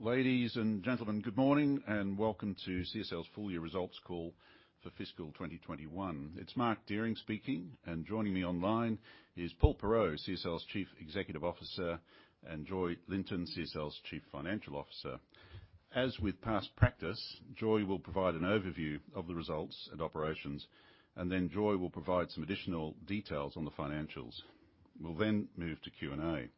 Ladies and gentlemen, good morning and welcome to CSL's full year results call for fiscal 2021. It's Mark Deering speaking. Joining me online is Paul Perreault, CSL's Chief Executive Officer, and Joy Linton, CSL's Chief Financial Officer. As with past practice, Joy will provide an overview of the results and operations. Then Joy will provide some additional details on the financials. We'll then move to Q&A.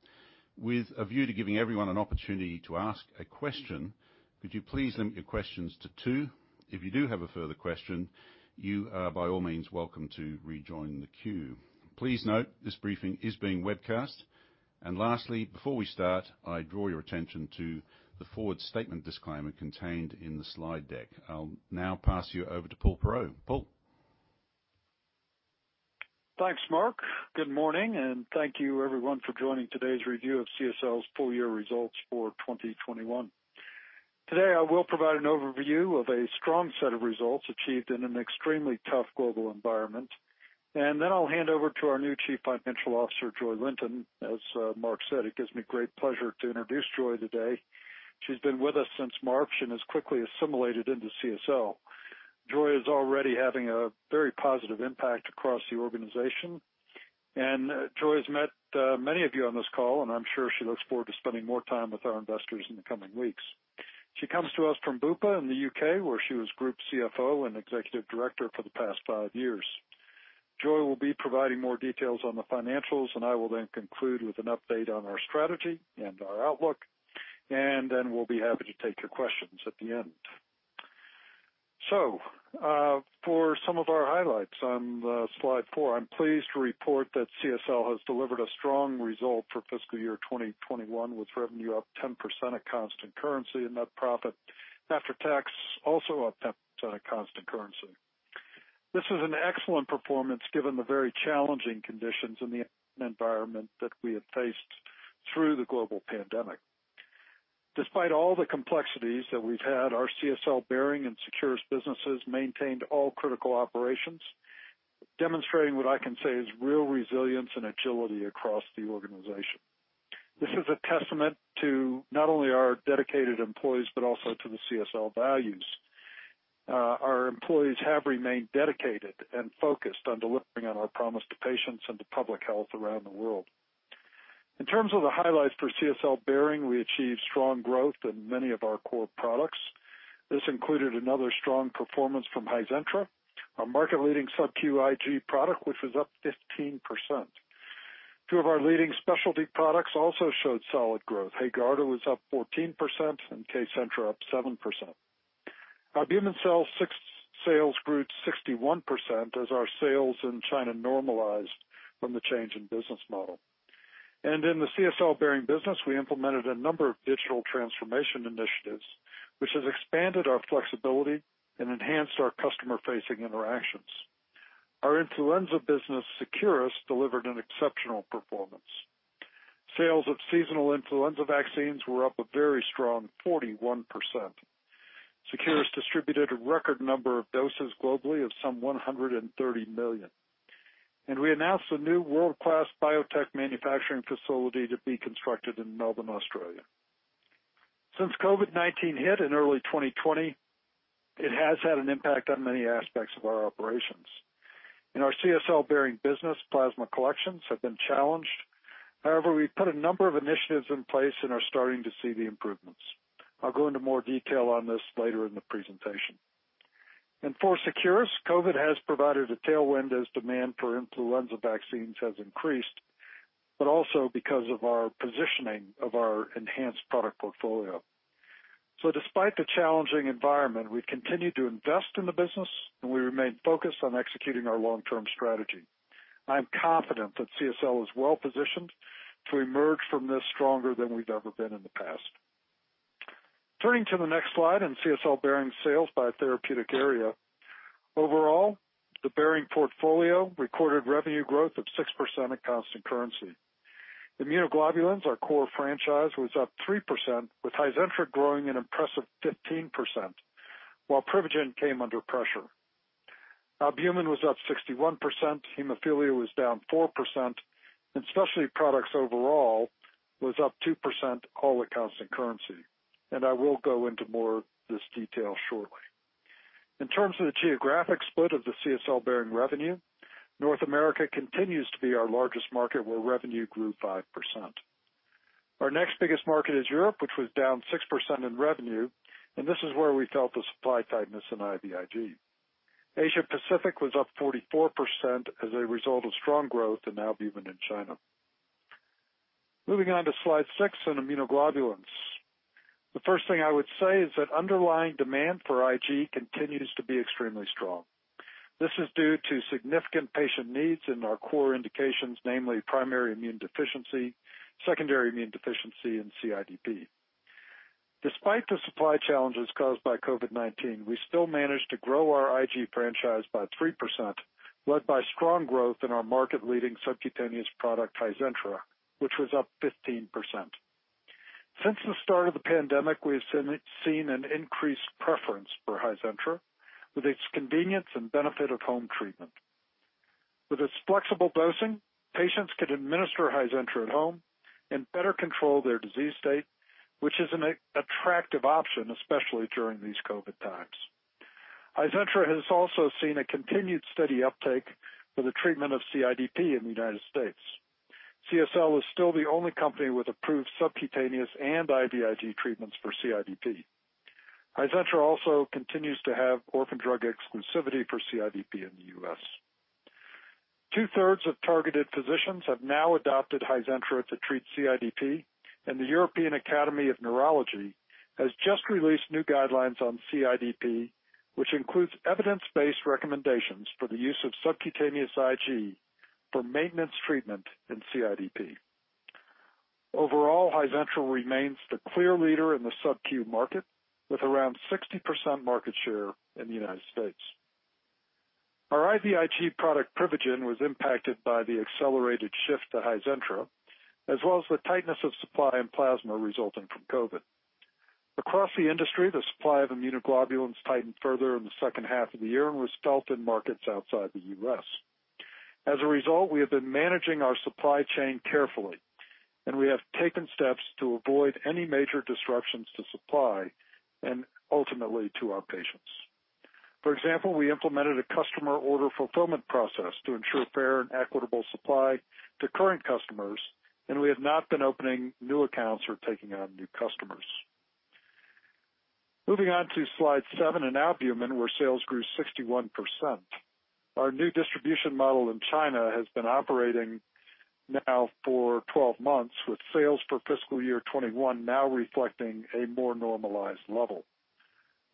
With a view to giving everyone an opportunity to ask a question, could you please limit your questions to two? If you do have a further question, you are by all means, welcome to rejoin the queue. Please note this briefing is being webcast. Lastly, before we start, I draw your attention to the forward statement disclaimer contained in the slide deck. I'll now pass you over to Paul Perreault. Paul. Thanks, Mark. Good morning, thank you everyone for joining today's review of CSL's full year results for 2021. Today, I will provide an overview of a strong set of results achieved in an extremely tough global environment. Then I'll hand over to our new Chief Financial Officer, Joy Linton. As Mark said, it gives me great pleasure to introduce Joy today. She's been with us since March and has quickly assimilated into CSL. Joy is already having a very positive impact across the organization. Joy's met many of you on this call, and I'm sure she looks forward to spending more time with our investors in the coming weeks. She comes to us from Bupa in the U.K., where she was Group CFO and Executive Director for the past five years. Joy Linton will be providing more details on the financials. I will then conclude with an update on our strategy and our outlook. We'll be happy to take your questions at the end. For some of our highlights on slide four, I'm pleased to report that CSL has delivered a strong result for FY 2021, with revenue up 10% at constant currency, and net profit after tax also up 10% at constant currency. This is an excellent performance given the very challenging conditions and the environment that we have faced through the global pandemic. Despite all the complexities that we've had, our CSL Behring and Seqirus businesses maintained all critical operations, demonstrating what I can say is real resilience and agility across the organization. This is a testament to not only our dedicated employees, but also to the CSL values. Our employees have remained dedicated and focused on delivering on our promise to patients and to public health around the world. In terms of the highlights for CSL Behring, we achieved strong growth in many of our core products. This included another strong performance from Hizentra, our market leading subQ IG product, which was up 15%. Two of our leading specialty products also showed solid growth. HAEGARDA was up 14% and KCENTRA up 7%. Albumin sales grew 61% as our sales in China normalized from the change in business model. In the CSL Behring business, we implemented a number of digital transformation initiatives, which has expanded our flexibility and enhanced our customer-facing interactions. Our influenza business, Seqirus, delivered an exceptional performance. Sales of seasonal influenza vaccines were up a very strong 41%. Seqirus distributed a record number of doses globally of some 130 million. We announced a new world-class biotech manufacturing facility to be constructed in Melbourne, Australia. Since COVID-19 hit in early 2020, it has had an impact on many aspects of our operations. In our CSL Behring business, plasma collections have been challenged. However, we put a number of initiatives in place and are starting to see the improvements. I'll go into more detail on this later in the presentation. For Seqirus, COVID has provided a tailwind as demand for influenza vaccines has increased, but also because of our positioning of our enhanced product portfolio. Despite the challenging environment, we've continued to invest in the business, and we remain focused on executing our long-term strategy. I'm confident that CSL is well-positioned to emerge from this stronger than we've ever been in the past. Turning to the next slide in CSL Behring sales by therapeutic area. Overall, the Behring portfolio recorded revenue growth of 6% at constant currency. Immunoglobulins, our core franchise, was up 3%, with Hizentra growing an impressive 15%, while Privigen came under pressure. Albumin was up 61%, hemophilia was down 4%, and specialty products overall were up 2%, all at constant currency. I will go into more of this detail shortly. In terms of the geographic split of the CSL Behring revenue, North America continues to be our largest market, where revenue grew 5%. Our next biggest market is Europe, which was down 6% in revenue, and this is where we felt the supply tightness in IVIG. Asia Pacific was up 44% as a result of strong growth in Albumin in China. Moving on to slide 6 on immunoglobulins. The first thing I would say is that underlying demand for IG continues to be extremely strong. This is due to significant patient needs in our core indications, namely primary immune deficiency, secondary immune deficiency, and CIDP. Despite the supply challenges caused by COVID-19, we still managed to grow our IG franchise by 3%, led by strong growth in our market-leading subcutaneous product, Hizentra, which was up 15%. Since the start of the pandemic, we've seen an increased preference for Hizentra, with its convenience and benefit of home treatment. With its flexible dosing, patients can administer Hizentra at home and better control their disease state, which is an attractive option, especially during these COVID times. Hizentra has also seen a continued steady uptake for the treatment of CIDP in the United States. CSL is still the only company with approved subcutaneous and IVIG treatments for CIDP. Hizentra also continues to have orphan drug exclusivity for CIDP in the U.S. Two-thirds of targeted physicians have now adopted Hizentra to treat CIDP. The European Academy of Neurology has just released new guidelines on CIDP, which includes evidence-based recommendations for the use of subcutaneous IG for maintenance treatment in CIDP. Overall, Hizentra remains the clear leader in the subQ market, with around 60% market share in the United States. Our IVIG product, Privigen, was impacted by the accelerated shift to Hizentra, as well as the tightness of supply and plasma resulting from COVID. Across the industry, the supply of immunoglobulins tightened further in the second half of the year and was felt in markets outside the U.S. As a result, we have been managing our supply chain carefully, and we have taken steps to avoid any major disruptions to supply and ultimately to our patients. For example, we implemented a customer order fulfillment process to ensure fair and equitable supply to current customers, and we have not been opening new accounts or taking on new customers. Moving on to slide seven in Albumin, where sales grew 61%. Our new distribution model in China has been operating now for 12 months, with sales for fiscal year 2021 now reflecting a more normalized level.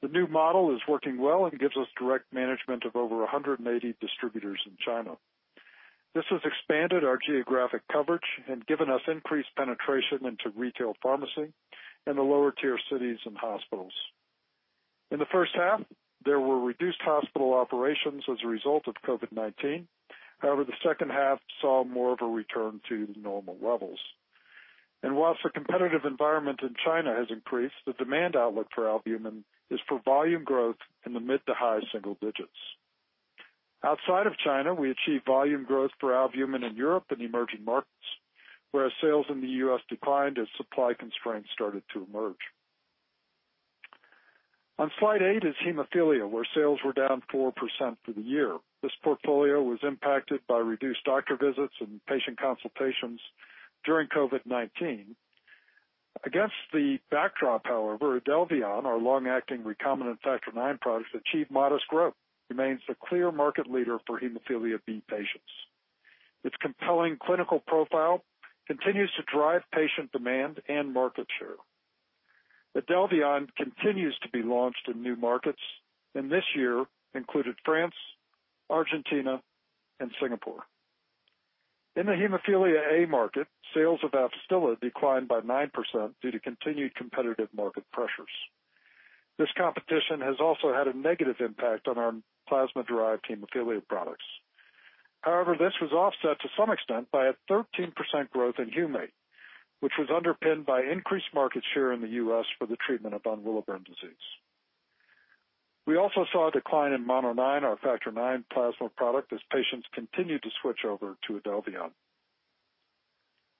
The new model is working well and gives us direct management of over 180 distributors in China. This has expanded our geographic coverage and given us increased penetration into retail pharmacy in the lower-tier cities and hospitals. In the first half, there were reduced hospital operations as a result of COVID-19. However, the H2 saw more of a return to normal levels. Whilst the competitive environment in China has increased, the demand outlook for Albumin is for volume growth in the mid-to-high single digits. Outside of China, we achieved volume growth for Albumin in Europe and the emerging markets, whereas sales in the U.S. declined as supply constraints started to emerge. On slide eight is hemophilia, where sales were down 4% for the year. This portfolio was impacted by reduced doctor visits and patient consultations during COVID-19. Against the backdrop, however, IDELVION, our long-acting recombinant factor IX product, achieved modest growth, remains the clear market leader for hemophilia B patients. Its compelling clinical profile continues to drive patient demand and market share. IDELVION continues to be launched in new markets, and this year included France, Argentina, and Singapore. In the hemophilia A market, sales of AFSTYLA declined by 9% due to continued competitive market pressures. This competition has also had a negative impact on our plasma-derived hemophilia products. However, this was offset to some extent by a 13% growth in Humate, which was underpinned by increased market share in the U.S. for the treatment of von Willebrand disease. We also saw a decline in MONONINE, our factor IX plasma product, as patients continued to switch over to IDELVION.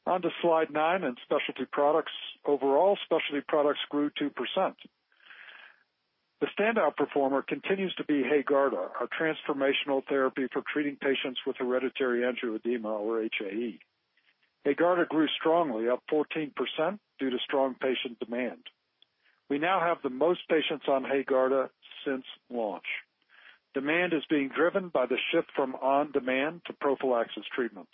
On to slide nine in specialty products. Overall, specialty products grew 2%. The standout performer continues to be HAEGARDA, our transformational therapy for treating patients with hereditary angioedema, or HAE. HAEGARDA grew strongly, up 14%, due to strong patient demand. We now have the most patients on HAEGARDA since launch. Demand is being driven by the shift from on-demand to prophylaxis treatment.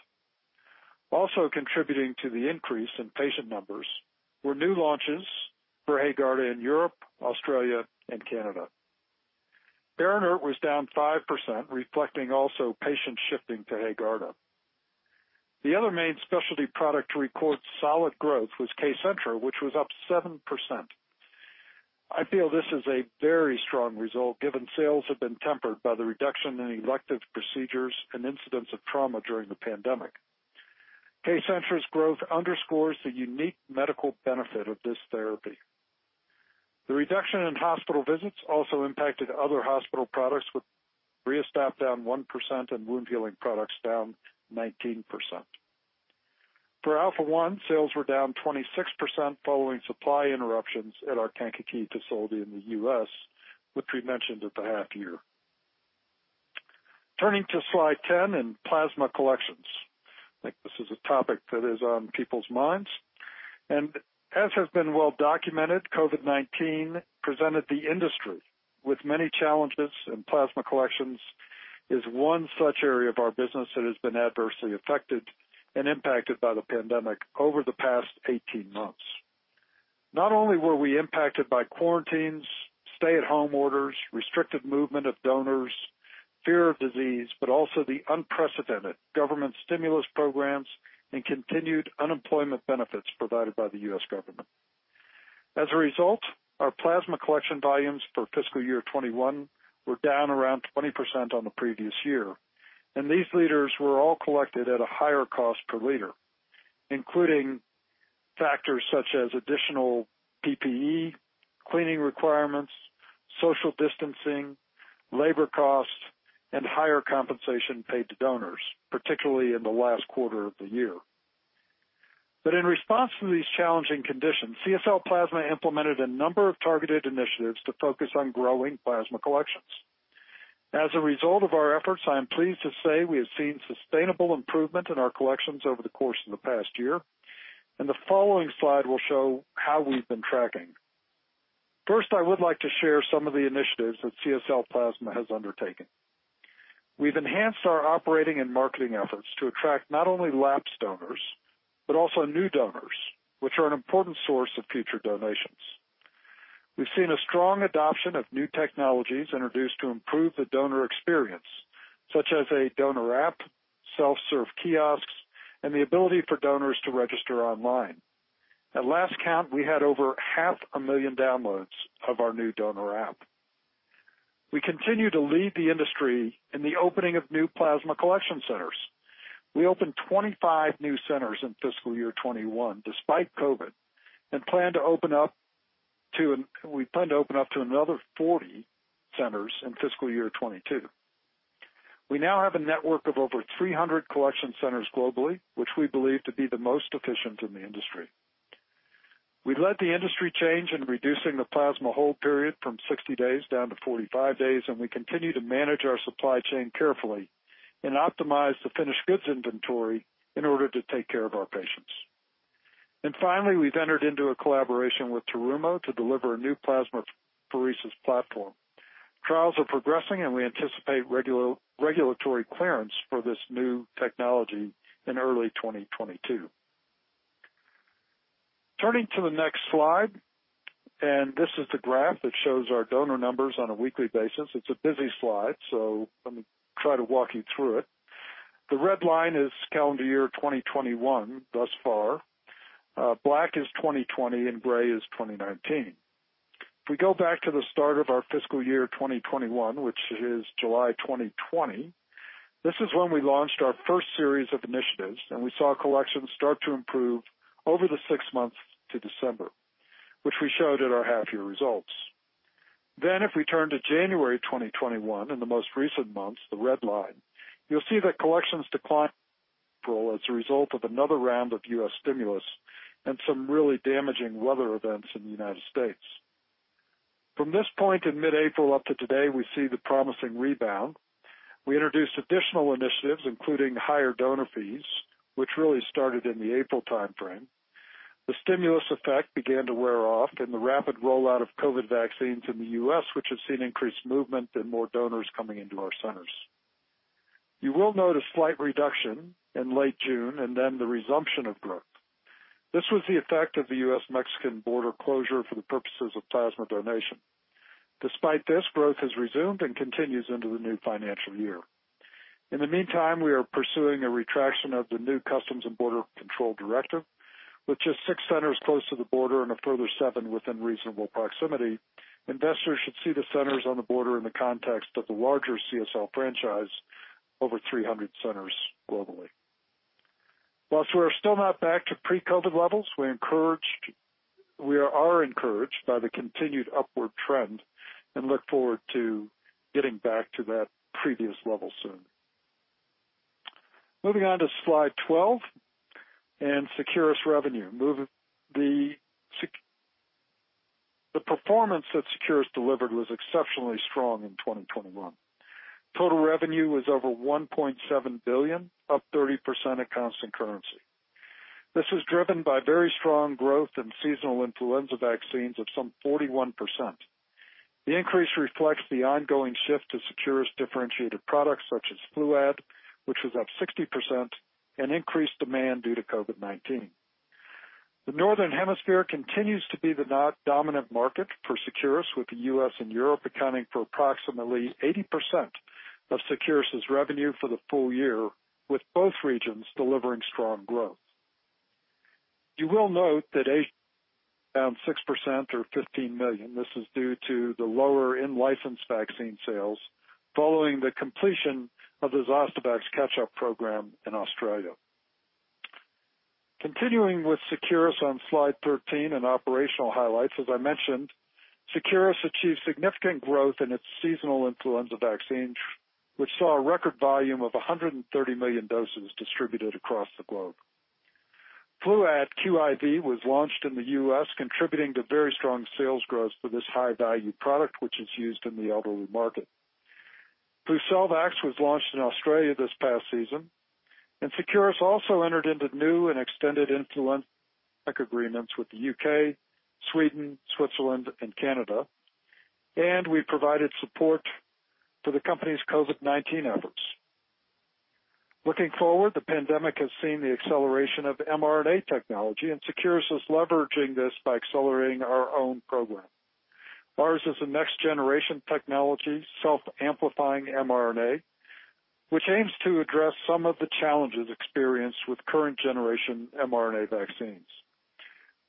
Also contributing to the increase in patient numbers were new launches for HAEGARDA in Europe, Australia, and Canada. BERINERT was down 5%, reflecting also patient shifting to HAEGARDA. The other main specialty product to record solid growth was KCENTRA, which was up 7%. I feel this is a very strong result given sales have been tempered by the reduction in elective procedures and incidents of trauma during the pandemic. KCENTRA's growth underscores the unique medical benefit of this therapy. The reduction in hospital visits also impacted other hospital products, with RiaSTAP down 1% and wound healing products down 19%. For Alpha-1, sales were down 26% following supply interruptions at our Kankakee facility in the U.S., which we mentioned at the half-year. Turning to slide 10 in plasma collections. I think this is a topic that is on people's minds. As has been well documented, COVID-19 presented the industry with many challenges, plasma collections is one such area of our business that has been adversely affected and impacted by the pandemic over the past 18 months. Not only were we impacted by quarantines, stay-at-home orders, restricted movement of donors, fear of disease, also the unprecedented government stimulus programs and continued unemployment benefits provided by the U.S. government. As a result, our plasma collection volumes for FY 2021 were down around 20% on the previous year. These liters were all collected at a higher cost per liter, including factors such as additional PPE, cleaning requirements, social distancing, labor costs, and higher compensation paid to donors, particularly in the last quarter of the year. In response to these challenging conditions, CSL Plasma implemented a number of targeted initiatives to focus on growing plasma collections. As a result of our efforts, I am pleased to say we have seen sustainable improvement in our collections over the course of the past year. The following slide will show how we've been tracking. First, I would like to share some of the initiatives that CSL Plasma has undertaken. We've enhanced our operating and marketing efforts to attract not only lapsed donors, but also new donors, which are an important source of future donations. We've seen a strong adoption of new technologies introduced to improve the donor experience, such as a donor app, self-serve kiosks, and the ability for donors to register online. At last count, we had over half a million downloads of our new donor app. We continue to lead the industry in the opening of new plasma collection centers. We opened 25 new centers in FY 2021, despite COVID, and we plan to open up to another 40 centers in FY 2022. We now have a network of over 300 collection centers globally, which we believe to be the most efficient in the industry. We led the industry change in reducing the plasma hold period from 60 days down to 45 days, and we continue to manage our supply chain carefully and optimize the finished goods inventory in order to take care of our patients. Finally, we've entered into a collaboration with Terumo to deliver a new plasmapheresis platform. Trials are progressing, and we anticipate regulatory clearance for this new technology in early 2022. Turning to the next slide. This is the graph that shows our donor numbers on a weekly basis. It's a busy slide. Let me try to walk you through it. The red line is calendar year 2021 thus far. Black is 2020. Gray is 2019. If we go back to the start of our fiscal year 2021, which is July 2020, this is when we launched our first series of initiatives. We saw collections start to improve over the six months to December, which we showed at our half-year results. If we turn to January 2021, in the most recent months, the red line, you'll see that collections declined as a result of another round of U.S. stimulus and some really damaging weather events in the United States. From this point in mid-April up to today, we see the promising rebound. We introduced additional initiatives, including higher donor fees, which really started in the April timeframe. The stimulus effect began to wear off and the rapid rollout of COVID vaccines in the U.S., which has seen increased movement and more donors coming into our centers. You will note a slight reduction in late June and then the resumption of growth. This was the effect of the U.S.-Mexican border closure for the purposes of plasma donation. Despite this, growth has resumed and continues into the new financial year. In the meantime, we are pursuing a retraction of the new Customs and Border Control directive. With just six centers close to the border and a further seven within reasonable proximity, investors should see the centers on the border in the context of the larger CSL franchise, over 300 centers globally. Whilst we are still not back to pre-COVID levels, we are encouraged by the continued upward trend and look forward to getting back to that previous level soon. Moving on to slide 12 and Seqirus revenue. The performance that Seqirus delivered was exceptionally strong in 2021. Total revenue was over 1.7 billion, up 30% at constant currency. This is driven by very strong growth in seasonal influenza vaccines of some 41%. The increase reflects the ongoing shift to Seqirus' differentiated products such as FLUAD, which was up 60%, and increased demand due to COVID-19. The Northern Hemisphere continues to be the dominant market for Seqirus, with the U.S. and Europe accounting for approximately 80% of Seqirus' revenue for the full year, with both regions delivering strong growth. You will note that Asia is down 6% or 15 million. This is due to the lower in-license vaccine sales following the completion of the Zostavax catch-up program in Australia. Continuing with Seqirus on slide 13, operational highlights. As I mentioned, Seqirus achieved significant growth in its seasonal influenza vaccines, which saw a record volume of 130 million doses distributed across the globe. FLUAD QIV was launched in the U.S., contributing to very strong sales growth for this high-value product which is used in the elderly market. FLUCELVAX was launched in Australia this past season. Seqirus also entered into new and extended influenza agreements with the U.K., Sweden, Switzerland, and Canada. We provided support for the company's COVID-19 efforts. Looking forward, the pandemic has seen the acceleration of mRNA technology, and Seqirus is leveraging this by accelerating our own program. Ours is a next generation technology, self-amplifying mRNA, which aims to address some of the challenges experienced with current generation mRNA vaccines.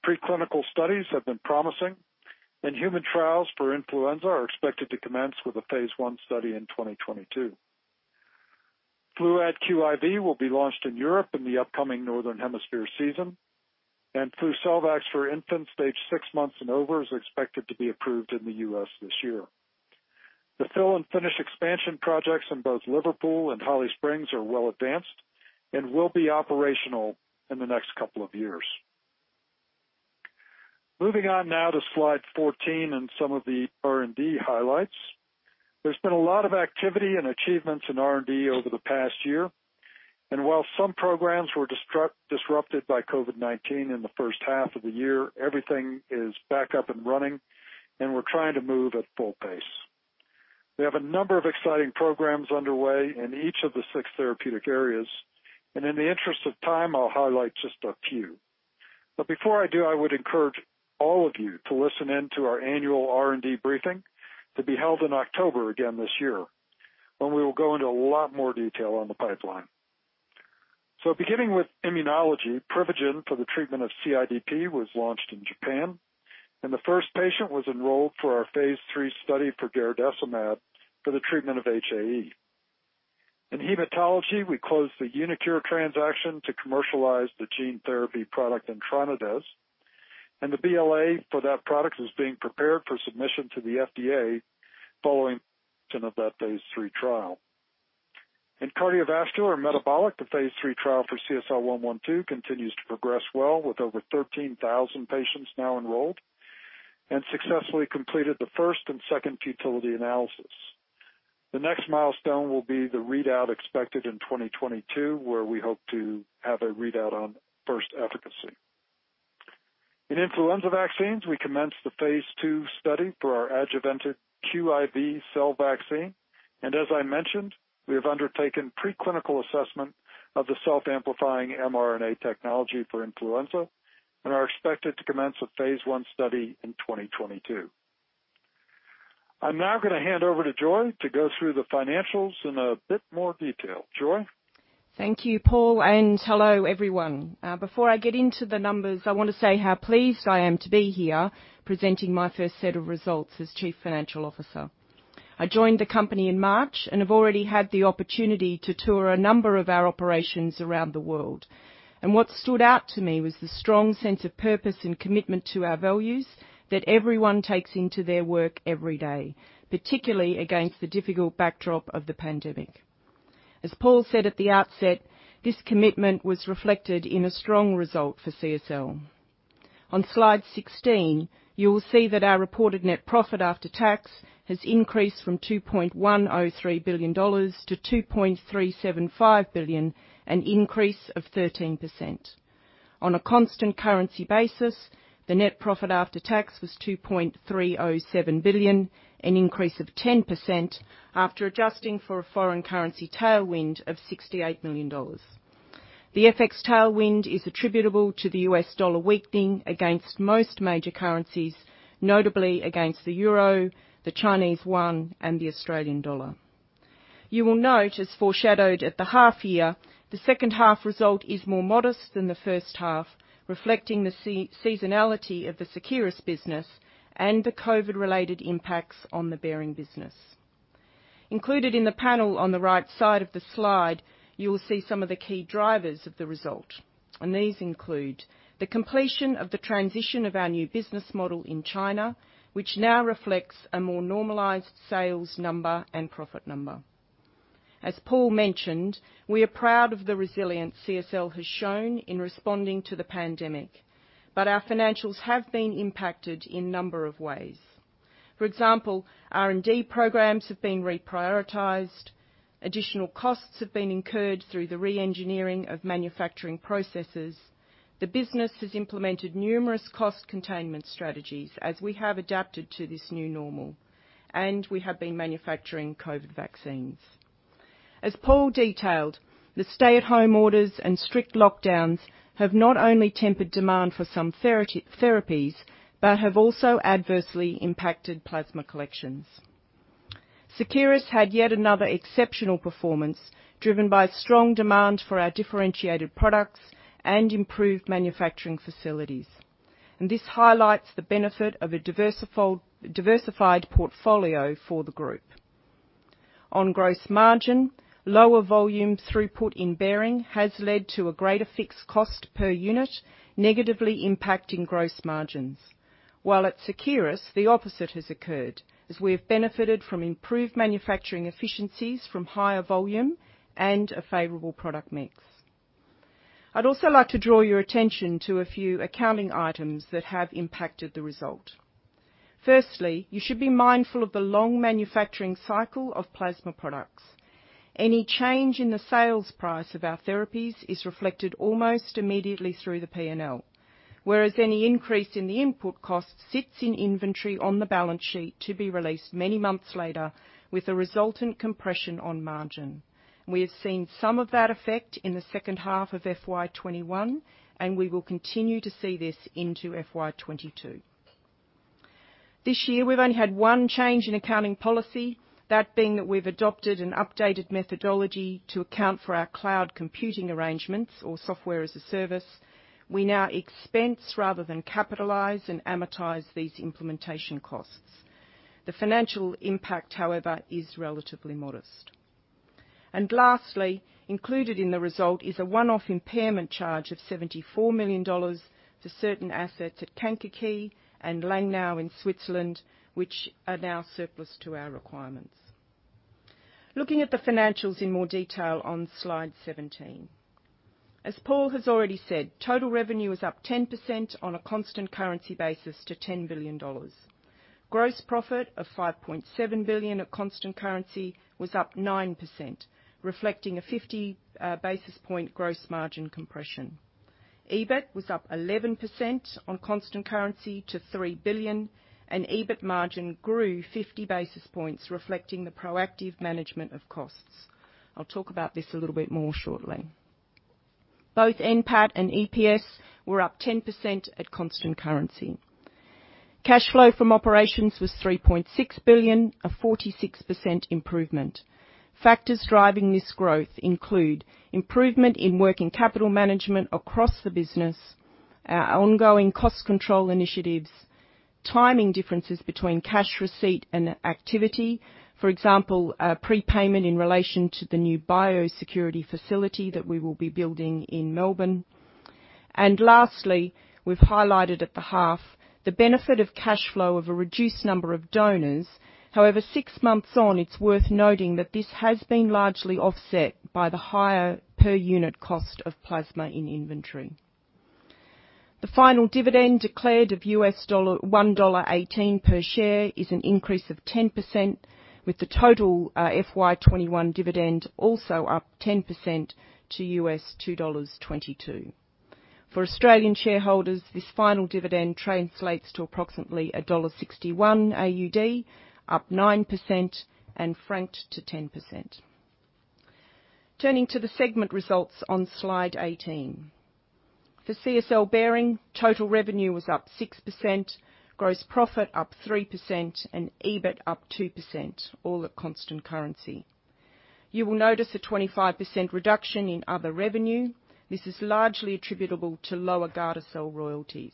Preclinical studies have been promising, and human trials for influenza are expected to commence with a phase I study in 2022. FLUAD QIV will be launched in Europe in the upcoming northern hemisphere season, and FLUCELVAX for infants aged six months and over is expected to be approved in the U.S. this year. The fill-and-finish expansion projects in both Liverpool and Holly Springs are well advanced and will be operational in the next couple of years. Moving on now to slide 14 and some of the R&D highlights. There's been a lot of activity and achievements in R&D over the past year, and while some programs were disrupted by Covid-19 in the first half of the year, everything is back up and running, and we're trying to move at full pace. We have a number of exciting programs underway in each of the six therapeutic areas, and in the interest of time, I'll highlight just a few. Before I do, I would encourage all of you to listen in to our annual R&D briefing to be held in October again this year, when we will go into a lot more detail on the pipeline. Beginning with immunology, Privigen for the treatment of CIDP was launched in Japan, and the first patient was enrolled for our Phase III study for garadacimab for the treatment of HAE. In hematology, we closed the uniQure transaction to commercialize the gene therapy product, Etranadez, and the BLA for that product is being prepared for submission to the FDA following of that Phase III trial. In cardiovascular and metabolic, the Phase III trial for CSL112 continues to progress well with over 13,000 patients now enrolled, and successfully completed the first and second futility analysis. The next milestone will be the readout expected in 2022, where we hope to have a readout on first efficacy. In influenza vaccines, we commenced the phase II study for our adjuvanted QIV cell vaccine, and as I mentioned, we have undertaken preclinical assessment of the self-amplifying mRNA technology for influenza and are expected to commence a phase I study in 2022. I'm now going to hand over to Joy to go through the financials in a bit more detail. Joy? Thank you, Paul, and hello, everyone. Before I get into the numbers, I want to say how pleased I am to be here presenting my first set of results as Chief Financial Officer. I joined the company in March and have already had the opportunity to tour a number of our operations around the world, and what stood out to me was the strong sense of purpose and commitment to our values that everyone takes into their work every day, particularly against the difficult backdrop of the pandemic. As Paul said at the outset, this commitment was reflected in a strong result for CSL. On slide 16, you will see that our reported net profit after tax has increased from 2.103 billion dollars to 2.375 billion, an increase of 13%. On a constant currency basis, the net profit after tax was AUD 2.307 billion, an increase of 10% after adjusting for a foreign currency tailwind of AUD 68 million. The FX tailwind is attributable to the US dollar weakening against most major currencies, notably against the euro, the Chinese yuan, and the Australian dollar. You will note, as foreshadowed at the half-year, the second half result is more modest than the first half, reflecting the seasonality of the Seqirus business and the COVID-related impacts on the Behring business. Included in the panel on the right side of the slide, you will see some of the key drivers of the result, these include the completion of the transition of our new business model in China, which now reflects a more normalized sales number and profit number. As Paul mentioned, we are proud of the resilience CSL has shown in responding to the pandemic, but our financials have been impacted in number of ways. For example, R&D programs have been reprioritized, additional costs have been incurred through the re-engineering of manufacturing processes, the business has implemented numerous cost containment strategies as we have adapted to this new normal, and we have been manufacturing COVID vaccines. As Paul detailed, the stay-at-home orders and strict lockdowns have not only tempered demand for some therapies but have also adversely impacted plasma collections. Seqirus had yet another exceptional performance, driven by strong demand for our differentiated products and improved manufacturing facilities. This highlights the benefit of a diversified portfolio for the group. On gross margin, lower volume throughput in Behring has led to a greater fixed cost per unit, negatively impacting gross margins. While at Seqirus, the opposite has occurred, as we have benefited from improved manufacturing efficiencies from higher volume and a favorable product mix. I'd also like to draw your attention to a few accounting items that have impacted the result. Firstly, you should be mindful of the long manufacturing cycle of plasma products. Any change in the sales price of our therapies is reflected almost immediately through the P&L. Whereas any increase in the input cost sits in inventory on the balance sheet to be released many months later with a resultant compression on margin. We have seen some of that effect in the 2nd half of FY 2021, we will continue to see this into FY 2022. This year, we've only had one change in accounting policy, that being that we've adopted an updated methodology to account for our cloud computing arrangements or Software-as-a-Service. We now expense rather than capitalize and amortize these implementation costs. The financial impact, however, is relatively modest. Lastly, included in the result is a one-off impairment charge of 74 million dollars for certain assets at Kankakee and Langnau in Switzerland, which are now surplus to our requirements. Looking at the financials in more detail on Slide 17. As Paul has already said, total revenue is up 10% on a constant currency basis to 10 billion dollars. Gross profit of 5.7 billion at constant currency was up 9%, reflecting a 50 basis point gross margin compression. EBIT was up 11% on constant currency to 3 billion, and EBIT margin grew 50 basis points, reflecting the proactive management of costs. I'll talk about this a little bit more shortly. Both NPAT and EPS were up 10% at constant currency. Cash flow from operations was 3.6 billion, a 46% improvement. Factors driving this growth include improvement in working capital management across the business, our ongoing cost control initiatives, timing differences between cash receipt and activity. For example, a prepayment in relation to the new biosecurity facility that we will be building in Melbourne. Lastly, we've highlighted at the half the benefit of cash flow of a reduced number of donors. However, six months on, it's worth noting that this has been largely offset by the higher per unit cost of plasma in inventory. The final dividend declared of US$1.18 per share is an increase of 10%, with the total FY 2021 dividend also up 10% to US$2.22. For Australian shareholders, this final dividend translates to approximately $1.61 AUD, up 9% and franked to 10%. Turning to the segment results on Slide 18. For CSL Behring, total revenue was up 6%, gross profit up 3%, and EBIT up 2%, all at constant currency. You will notice a 25% reduction in other revenue. This is largely attributable to lower Gardasil royalties.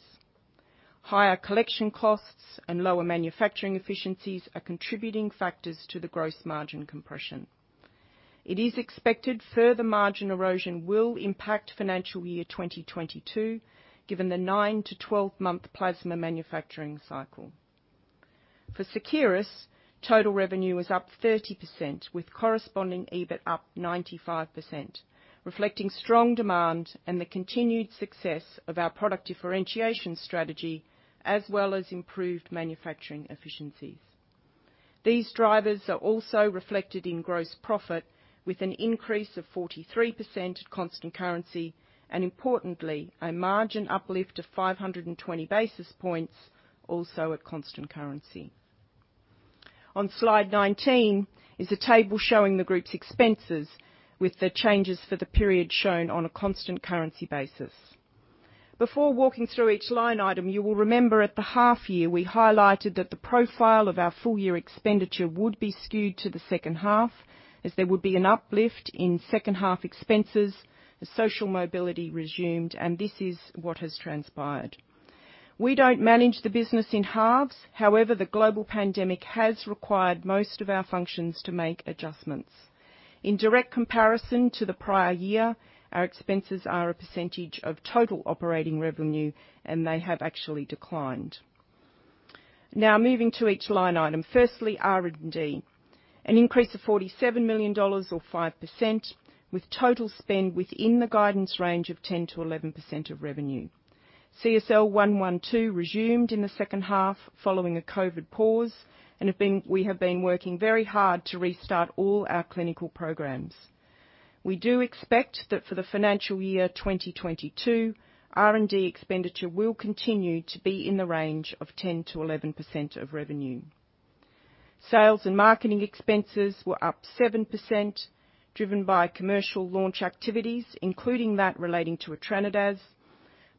Higher collection costs and lower manufacturing efficiencies are contributing factors to the gross margin compression. It is expected further margin erosion will impact financial year 2022, given the 9-to-12 month plasma manufacturing cycle. For Seqirus, total revenue was up 30%, with corresponding EBIT up 95%, reflecting strong demand and the continued success of our product differentiation strategy, as well as improved manufacturing efficiencies. These drivers are also reflected in gross profit, with an increase of 43% at constant currency and importantly, a margin uplift of 520 basis points also at constant currency. On Slide 19 is a table showing the group's expenses with the changes for the period shown on a constant currency basis. Before walking through each line item, you will remember at the half year, we highlighted that the profile of our full year expenditure would be skewed to the second half as there would be an uplift in second-half expenses as social mobility resumed, and this is what has transpired. We don't manage the business in halves. The global pandemic has required most of our functions to make adjustments. In direct comparison to the prior year, our expenses are a percentage of total operating revenue, and they have actually declined. Now moving to each line item. Firstly, R&D, an increase of 47 million dollars or 5%, with total spend within the guidance range of 10%-11% of revenue. CSL112 resumed in the second half following a COVID pause, and we have been working very hard to restart all our clinical programs. We do expect that for the financial year 2022, R&D expenditure will continue to be in the range of 10%-11% of revenue. Sales and marketing expenses were up 7%, driven by commercial launch activities, including that relating to Etrenda's,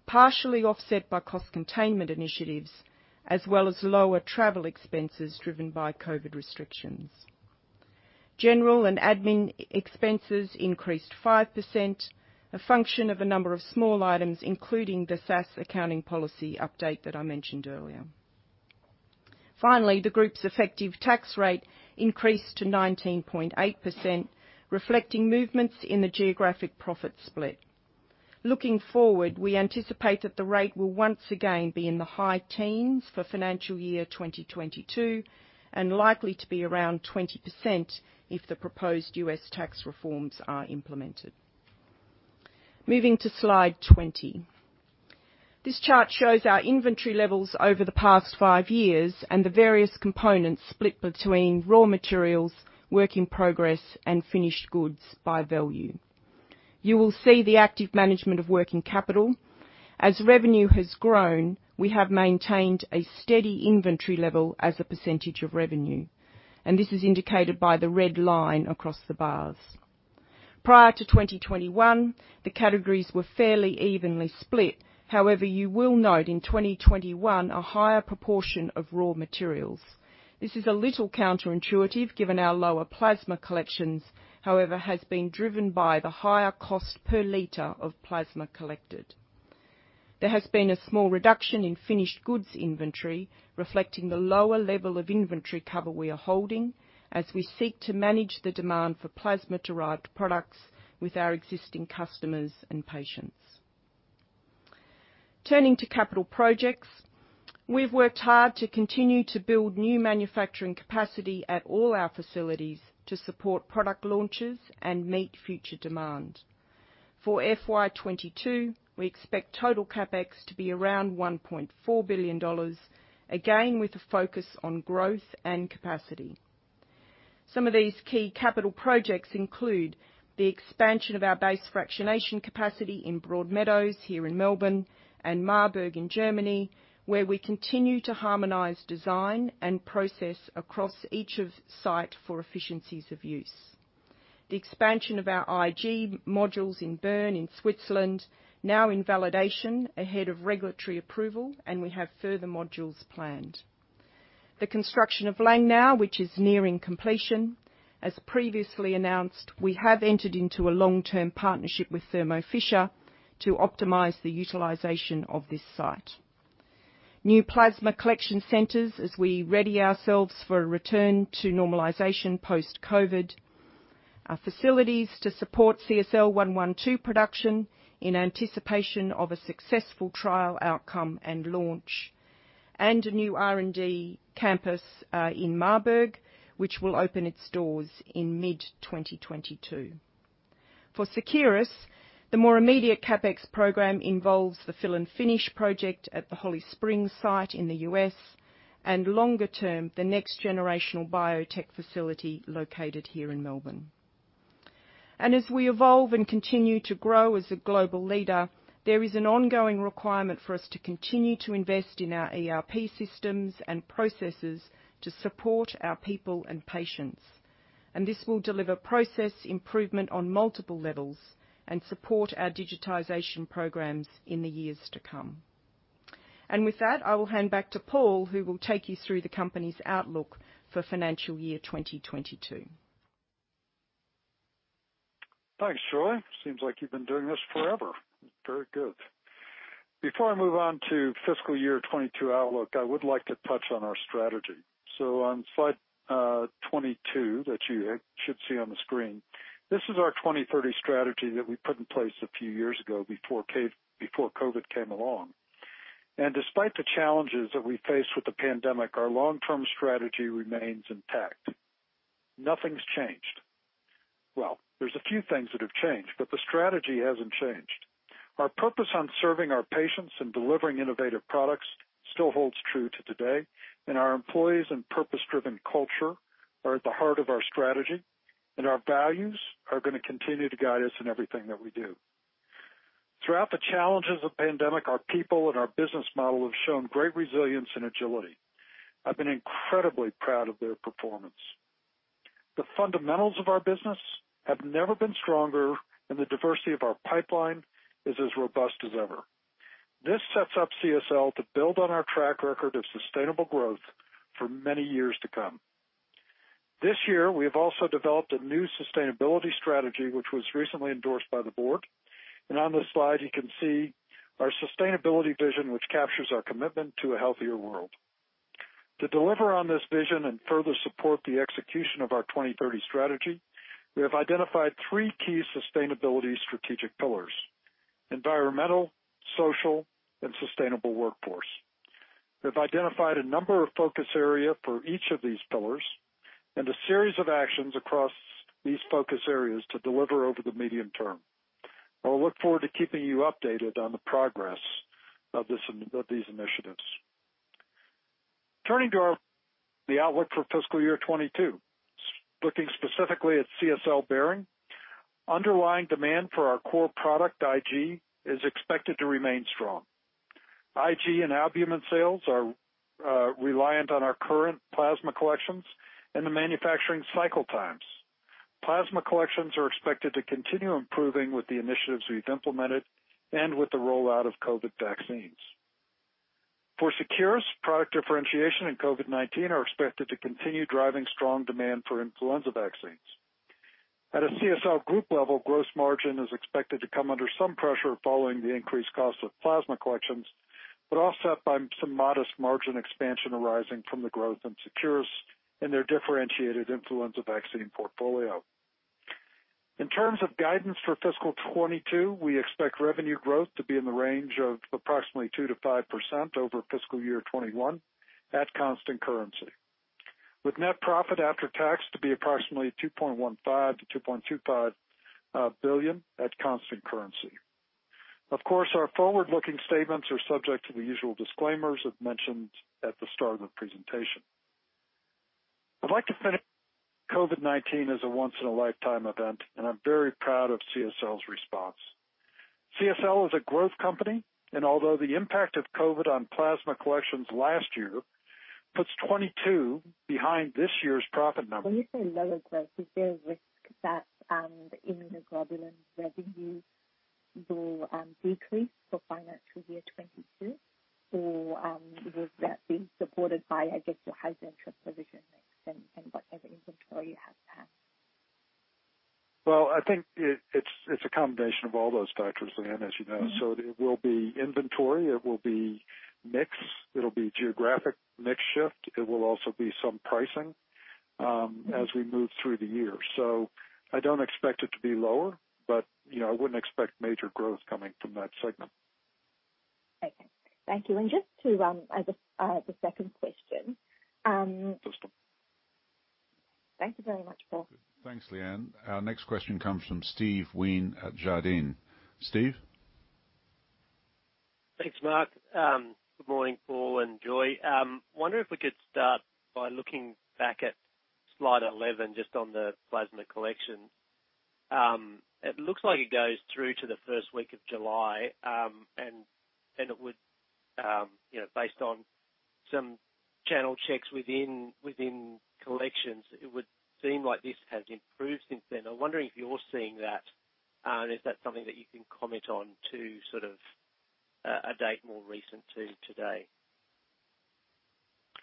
partially offset by cost containment initiatives, as well as lower travel expenses driven by COVID restrictions. General and admin expenses increased 5%, a function of a number of small items, including the SaaS accounting policy update that I mentioned earlier. The group's effective tax rate increased to 19.8%, reflecting movements in the geographic profit split. Looking forward, we anticipate that the rate will once again be in the high teens for financial year 2022 and likely to be around 20% if the proposed U.S. tax reforms are implemented. Moving to Slide 20. This chart shows our inventory levels over the past five years and the various components split between raw materials, work in progress, and finished goods by value. You will see the active management of working capital. As revenue has grown, we have maintained a steady inventory level as a percentage of revenue, and this is indicated by the red line across the bars. Prior to 2021, the categories were fairly evenly split. However, you will note in 2021, a higher proportion of raw materials. This is a little counterintuitive given our lower plasma collections, however, has been driven by the higher cost per liter of plasma collected. There has been a small reduction in finished goods inventory, reflecting the lower level of inventory cover we are holding as we seek to manage the demand for plasma-derived products with our existing customers and patients. Turning to capital projects, we've worked hard to continue to build new manufacturing capacity at all our facilities to support product launches and meet future demand. For FY 2022, we expect total CapEx to be around 1.4 billion dollars, again, with a focus on growth and capacity. Some of these key capital projects include the expansion of our base fractionation capacity in Broadmeadows here in Melbourne and Marburg in Germany, where we continue to harmonize design and process across each site for efficiencies of use. The expansion of our IG modules in Bern in Switzerland, now in validation ahead of regulatory approval. We have further modules planned. The construction of Langnau, which is nearing completion. As previously announced, we have entered into a long-term partnership with Thermo Fisher to optimize the utilization of this site. New plasma collection centers as we ready ourselves for a return to normalization post-COVID. Our facilities to support CSL112 production in anticipation of a successful trial outcome and launch. A new R&D campus in Marburg, which will open its doors in mid-2022. For Seqirus, the more immediate CapEx program involves the fill and finish project at the Holly Springs site in the U.S., and longer term, the next generational biotech facility located here in Melbourne. As we evolve and continue to grow as a global leader, there is an ongoing requirement for us to continue to invest in our ERP systems and processes to support our people and patients. This will deliver process improvement on multiple levels and support our digitization programs in the years to come. With that, I will hand back to Paul, who will take you through the company's outlook for financial year 2022. Thanks, Joy. Seems like you've been doing this forever. Very good. Before I move on to fiscal year 2022 outlook, I would like to touch on our strategy. On slide 22, that you should see on the screen, this is our 2030 strategy that we put in place a few years ago before COVID came along. Despite the challenges that we faced with the pandemic, our long-term strategy remains intact. Nothing's changed. Well, there's a few things that have changed, but the strategy hasn't changed. Our purpose on serving our patients and delivering innovative products still holds true to today, and our employees and purpose-driven culture are at the heart of our strategy, and our values are going to continue to guide us in everything that we do. Throughout the challenges of pandemic, our people and our business model have shown great resilience and agility. I've been incredibly proud of their performance. The fundamentals of our business have never been stronger, and the diversity of our pipeline is as robust as ever. This sets up CSL to build on our track record of sustainable growth for many years to come. This year, we have also developed a new sustainability strategy, which was recently endorsed by the board. On this slide, you can see our sustainability vision, which captures our commitment to a healthier world. To deliver on this vision and further support the execution of our 2030 strategy, we have identified three key sustainability strategic pillars: environmental, social, and sustainable workforce. We've identified a number of focus area for each of these pillars and a series of actions across these focus areas to deliver over the medium term. I'll look forward to keeping you updated on the progress of these initiatives. Turning to the outlook for FY 2022, looking specifically at CSL Behring, underlying demand for our core product, IG, is expected to remain strong. IG and albumin sales are reliant on our current plasma collections and the manufacturing cycle times. Plasma collections are expected to continue improving with the initiatives we've implemented and with the rollout of COVID vaccines. Seqirus, product differentiation and COVID-19 are expected to continue driving strong demand for influenza vaccines. At a CSL group level, gross margin is expected to come under some pressure following the increased cost of plasma collections, offset by some modest margin expansion arising from the growth in Seqirus and their differentiated influenza vaccine portfolio. In terms of guidance for fiscal 2022, we expect revenue growth to be in the range of approximately 2%-5% over FY 2021 at constant currency, with net profit after tax to be approximately 2.15 billion-2.25 billion at constant currency. Of course, our forward-looking statements are subject to the usual disclaimers as mentioned at the start of the presentation. I'd like to finish. COVID-19 is a once-in-a-lifetime event, and I'm very proud of CSL's response. CSL is a growth company, and although the impact of COVID on plasma collections last year puts 2022 behind this year's profit number. When you say lower growth, is there a risk that the immunoglobulin revenues will decrease for FY 2022, or will that be supported by, I guess, your higher Hizentra/Privigen mix and whatever inventory you have there? Well, I think it's a combination of all those factors, Lyanne, as you know. It will be inventory, it will be mix, it'll be geographic mix shift, it will also be some pricing as we move through the year. I don't expect it to be lower, but I wouldn't expect major growth coming from that segment. Okay. Thank you. Just as a second question. Just a- Thank you very much, Paul. Thanks, Lyanne. Our next question comes from Steven Wheen at Jarden. Steven? Thanks, Mark. Good morning, Paul and Joy. Wondering if we could start by looking back at slide 11, just on the plasma collection. It looks like it goes through to the first week of July, and based on some channel checks within collections, it would seem like this has improved since then. I'm wondering if you're seeing that, and is that something that you can comment on to sort of a date more recent to today?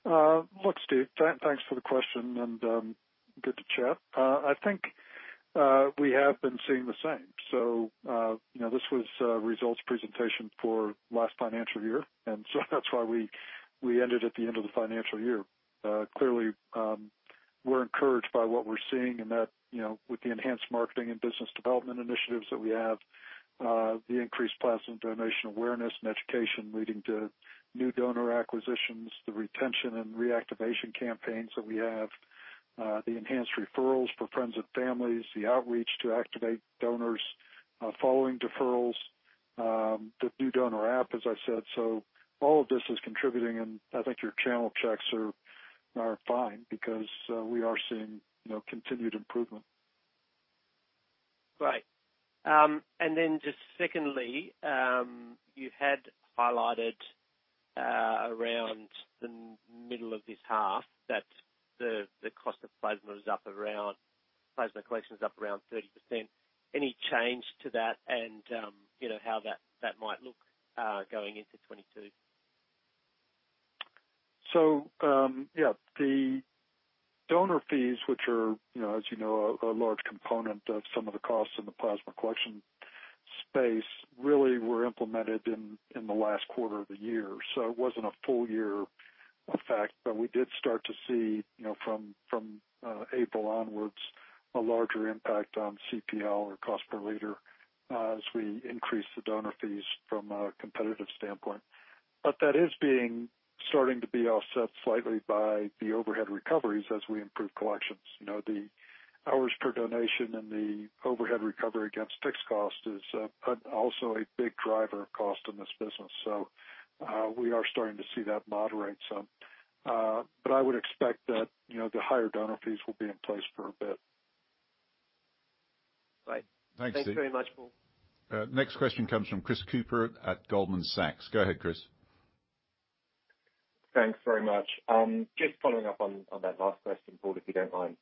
Look, Steve, thanks for the question, and good to chat. I think we have been seeing the same. This was a results presentation for last financial year, and so that's why we ended at the end of the financial year. Clearly, we're encouraged by what we're seeing in that with the enhanced marketing and business development initiatives that we have, the increased plasma donation awareness and education leading to new donor acquisitions, the retention and reactivation campaigns that we have, the enhanced referrals for friends and families, the outreach to activate donors following deferrals, the new donor app, as I said. All of this is contributing, and I think your channel checks are fine because we are seeing continued improvement. Great. Just secondly, you had highlighted around the middle of this half that the cost of plasma collection is up around 30%. Any change to that and how that might look going into 2022? Yeah, the donor fees, which are, as you know, a large component of some of the costs in the plasma collection space, really were implemented in the last quarter of the year. It wasn't a full year effect, but we did start to see from April onwards, a larger impact on CPL or cost per liter as we increase the donor fees from a competitive standpoint. That is starting to be offset slightly by the overhead recoveries as we improve collections. The hours per donation and the overhead recovery against fixed cost is also a big driver of cost in this business. We are starting to see that moderate some. I would expect that the higher donor fees will be in place for a bit. Right. Thanks, Steve. Thanks very much, Paul. Next question comes from Chris Cooper at Goldman Sachs. Go ahead, Chris. Thanks very much. Just following up on that last question, Paul, if you don't mind.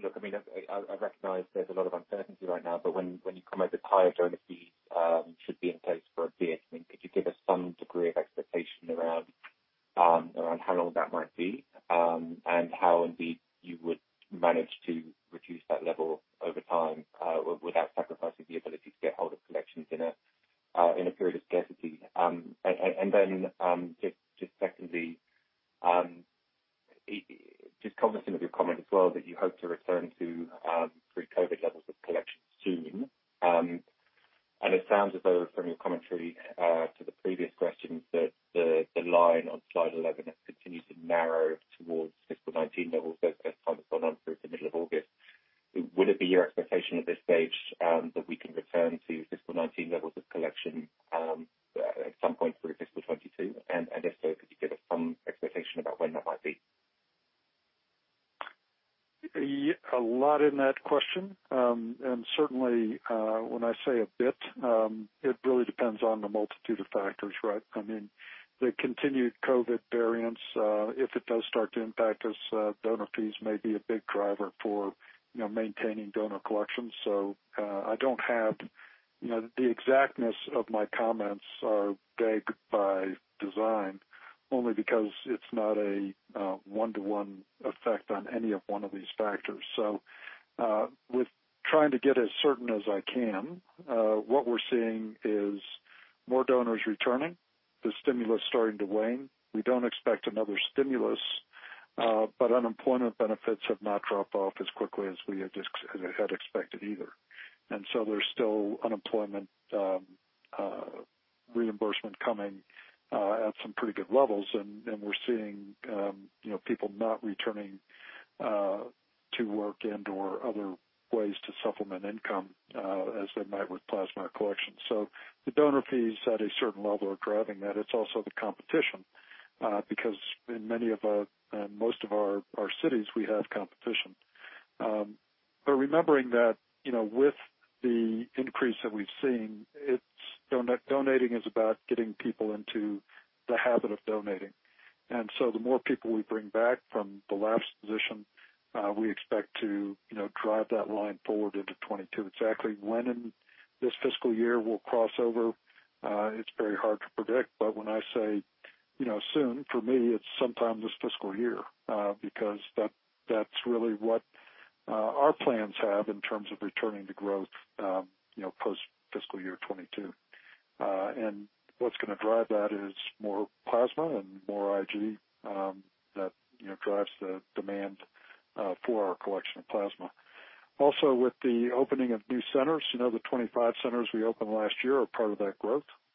Look, I recognize there's a lot of uncertainty right now, but when you comment that higher donor fees should be in place for a bit, could you give us some degree of expectation around how long that might be? How indeed you would manage to reduce that level over time without sacrificing the ability to get hold of collections in a period of scarcity? Secondly, just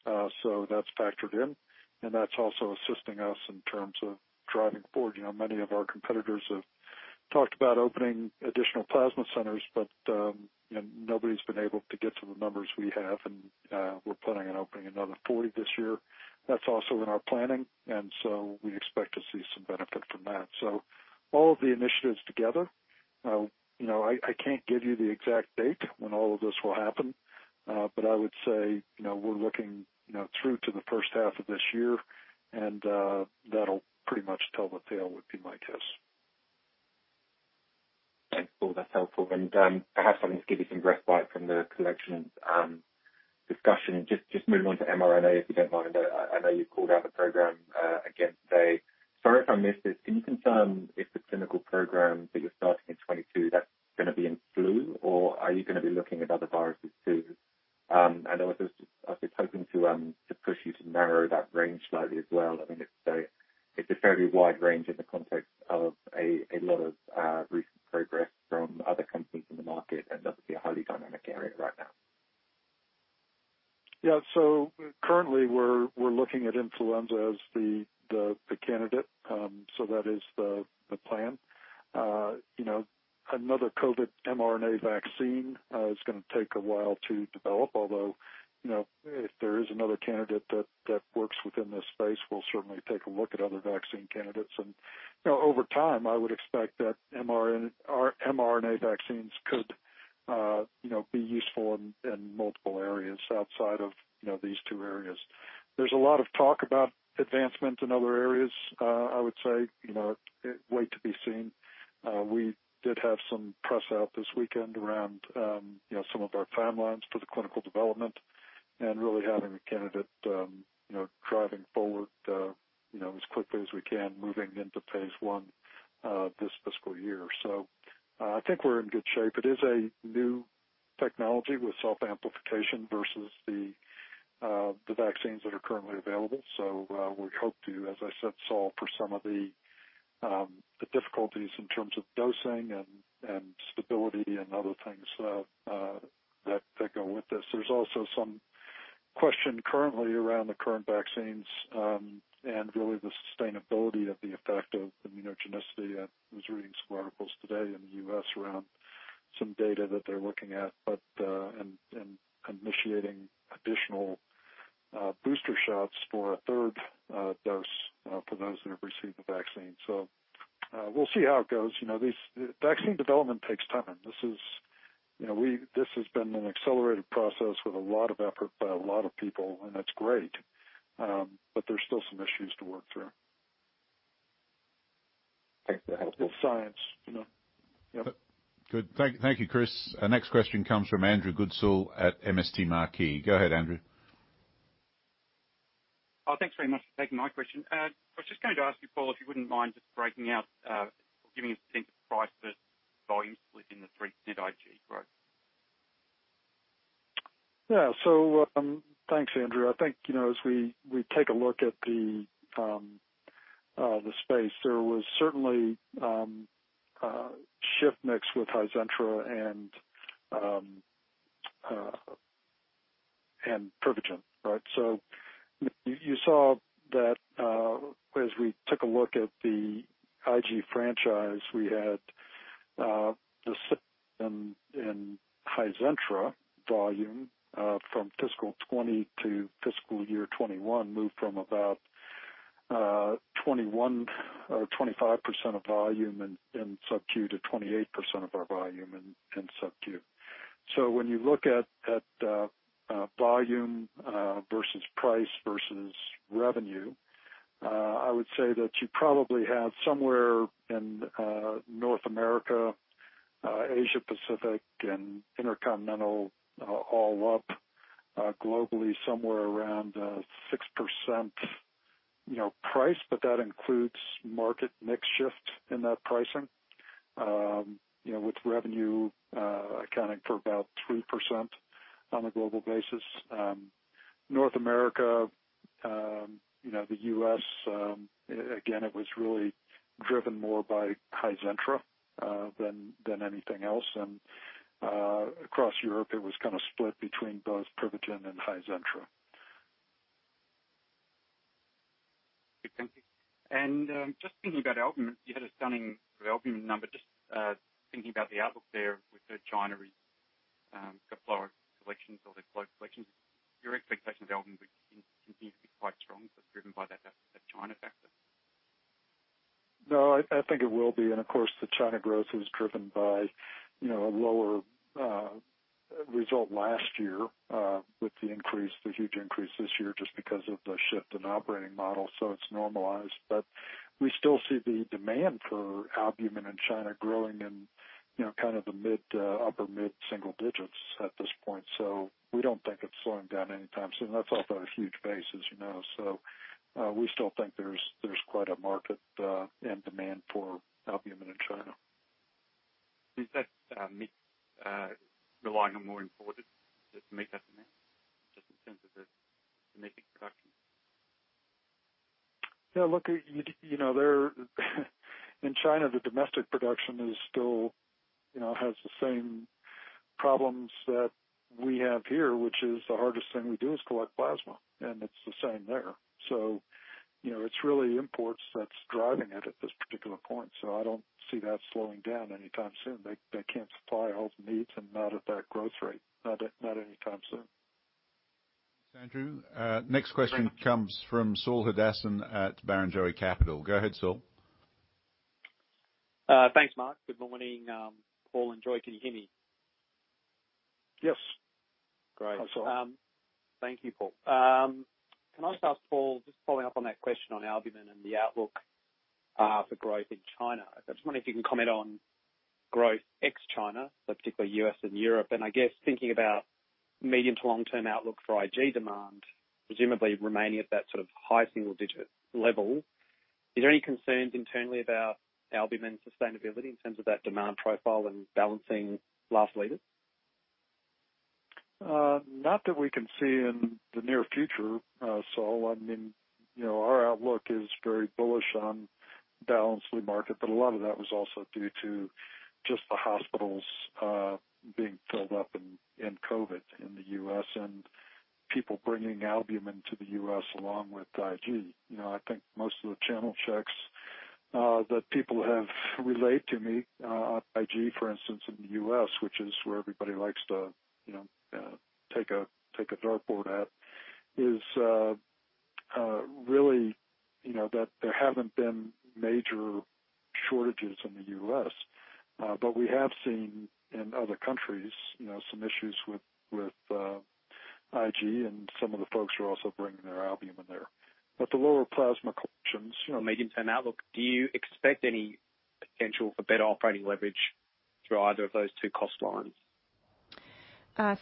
That's factored in, and that's also assisting us in terms of driving forward. Many of our competitors have talked about opening additional plasma centers, but nobody's been able to get to the numbers we have, and we're planning on opening another 40 this year. That's also in our planning, so we expect to see some benefit from that. All of the initiatives together, I can't give you the exact date when all of this will happen, but I would say, we're looking through to the first half of this year, and that'll pretty much tell the tale, would be my guess. Thanks, Paul. That's helpful. Perhaps something to give you some respite from the collections discussion. Just moving on to mRNA, if you don't mind. I know you called out the program again today. Sorry if I missed this. Can you confirm if the clinical program that you're starting in 2022, that's going to be in flu, or are you going to be looking at other viruses, too? I was hoping to push you to narrow that range slightly as well. I mean, it's a fairly wide range in the context of a lot of recent progress from other companies in the market, and that would be a highly dynamic area right now. Currently we're looking at influenza as the candidate. That is the plan. Another COVID mRNA vaccine is going to take a while to develop. Although, if there is another candidate that works within this space, we'll certainly take a look at other vaccine candidates. Over time, I would expect that mRNA vaccines could be useful in multiple areas outside of these two areas. There is a lot of talk about advancement in other areas. I would say, wait to be seen. We did have some press out this weekend around some of our timelines for the clinical development and really having a candidate driving forward as quickly as we can, moving into phase I this fiscal year. I think we're in good shape. It is a new technology with self-amplification versus the vaccines that are currently available. We hope to, as I said, solve for some of the difficulties in terms of dosing and stability and other things that go with this. There's also some question currently around the current vaccines, and really the sustainability of the effect of immunogenicity. I was reading some articles today in the U.S. around some data that they're looking at, and initiating additional booster shots for a third dose for those that have received the vaccine. We'll see how it goes. Vaccine development takes time. This has been an accelerated process with a lot of effort by a lot of people, and that's great. There's still some issues to work through. Thanks for that. It's science. Good. Thank you, Chris. Our next question comes from Andrew Goodsall at MST Marquee. Go ahead, Andrew. Oh, thanks very much for taking my question. I was just going to ask you, Paul, if you wouldn't mind just breaking out, giving us a sense of price versus volume split in the 3% IG growth. Yeah. Thanks, Andrew. I think, as we take a look at the space, there was certainly shift mix with Hizentra and Privigen. You saw that as we took a look at the IG franchise we had in Hizentra volume from FY 2020 to FY 2021 moved from about 21% or 25% of volume in subQ to 28% of our volume in subQ. When you look at volume versus price versus revenue, I would say that you probably have somewhere in North America, Asia Pacific, and Intercontinental all up globally somewhere around 6% price, but that includes market mix shift in that pricing, with revenue accounting for about 3% on a global basis. North America, the U.S., again, it was really driven more by Hizentra than anything else. Across Europe, it was kind of split between both Privigen and Hizentra. Okay, thank you. Just thinking about Albumin, you had a stunning Albumin number. Just thinking about the outlook there with China's low collections. Your expectation of Albumin would continue to be quite strong, driven by that China factor. No, I think it will be. Of course, the China growth is driven by a lower result last year with the huge increase this year just because of the shift in operating model. It's normalized. We still see the demand for Albumin in China growing in kind of the mid to upper mid-single digits at this point. We don't think it's slowing down anytime soon. That's off a huge base, as you know. We still think there's quite a market and demand for Albumin in China. Is that meet the line of moving forward to meet that demand, just in terms of the domestic production? Look in China, the domestic production still has the same problems that we have here, which is the hardest thing we do is collect plasma, and it's the same there. It's really imports that's driving it at this particular point. I don't see that slowing down anytime soon. They can't supply all the needs and not at that growth rate, not anytime soon. Thanks, Andrew. Next question comes from Saul Hadassin at Barrenjoey Capital. Go ahead, Saul. Thanks, Mark. Good morning, Paul and Joy. Can you hear me? Yes. Great. Hi, Saul. Thank you, Paul. Can I start, Paul, just following up on that question on albumin and the outlook for growth in China. I'm just wondering if you can comment on growth ex-China, so particularly U.S. and Europe, and I guess thinking about medium to long-term outlook for IG demand, presumably remaining at that sort of high single digit level. Is there any concerns internally about albumin sustainability in terms of that demand profile and balancing lost leaders? Not that we can see in the near future, Saul. Our outlook is very bullish on balanced yield market, a lot of that was also due to just the hospitals being filled up in COVID in the U.S. and people bringing albumin to the U.S. along with IG. I think most of the channel checks that people have relayed to me on IG, for instance, in the U.S., which is where everybody likes to take a dartboard at, is really that there haven't been major shortages in the U.S. We have seen in other countries some issues with IG and some of the folks who are also bringing their albumin there. The lower plasma collections. Medium-term outlook, do you expect any potential for better operating leverage through either of those two cost lines?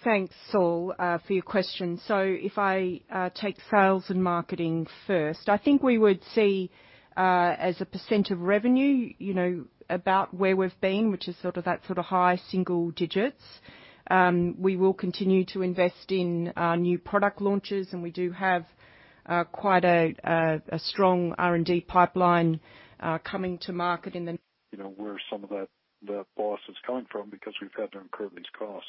Thanks, Saul, for your question. If I take sales and marketing first, I think we would see as a percent of revenue, about where we've been, which is sort of that high single digits. We will continue to invest in our new product launches, and we do have quite a strong R&D pipeline coming to market in the. Where some of that loss is coming from because we've had to incur these costs.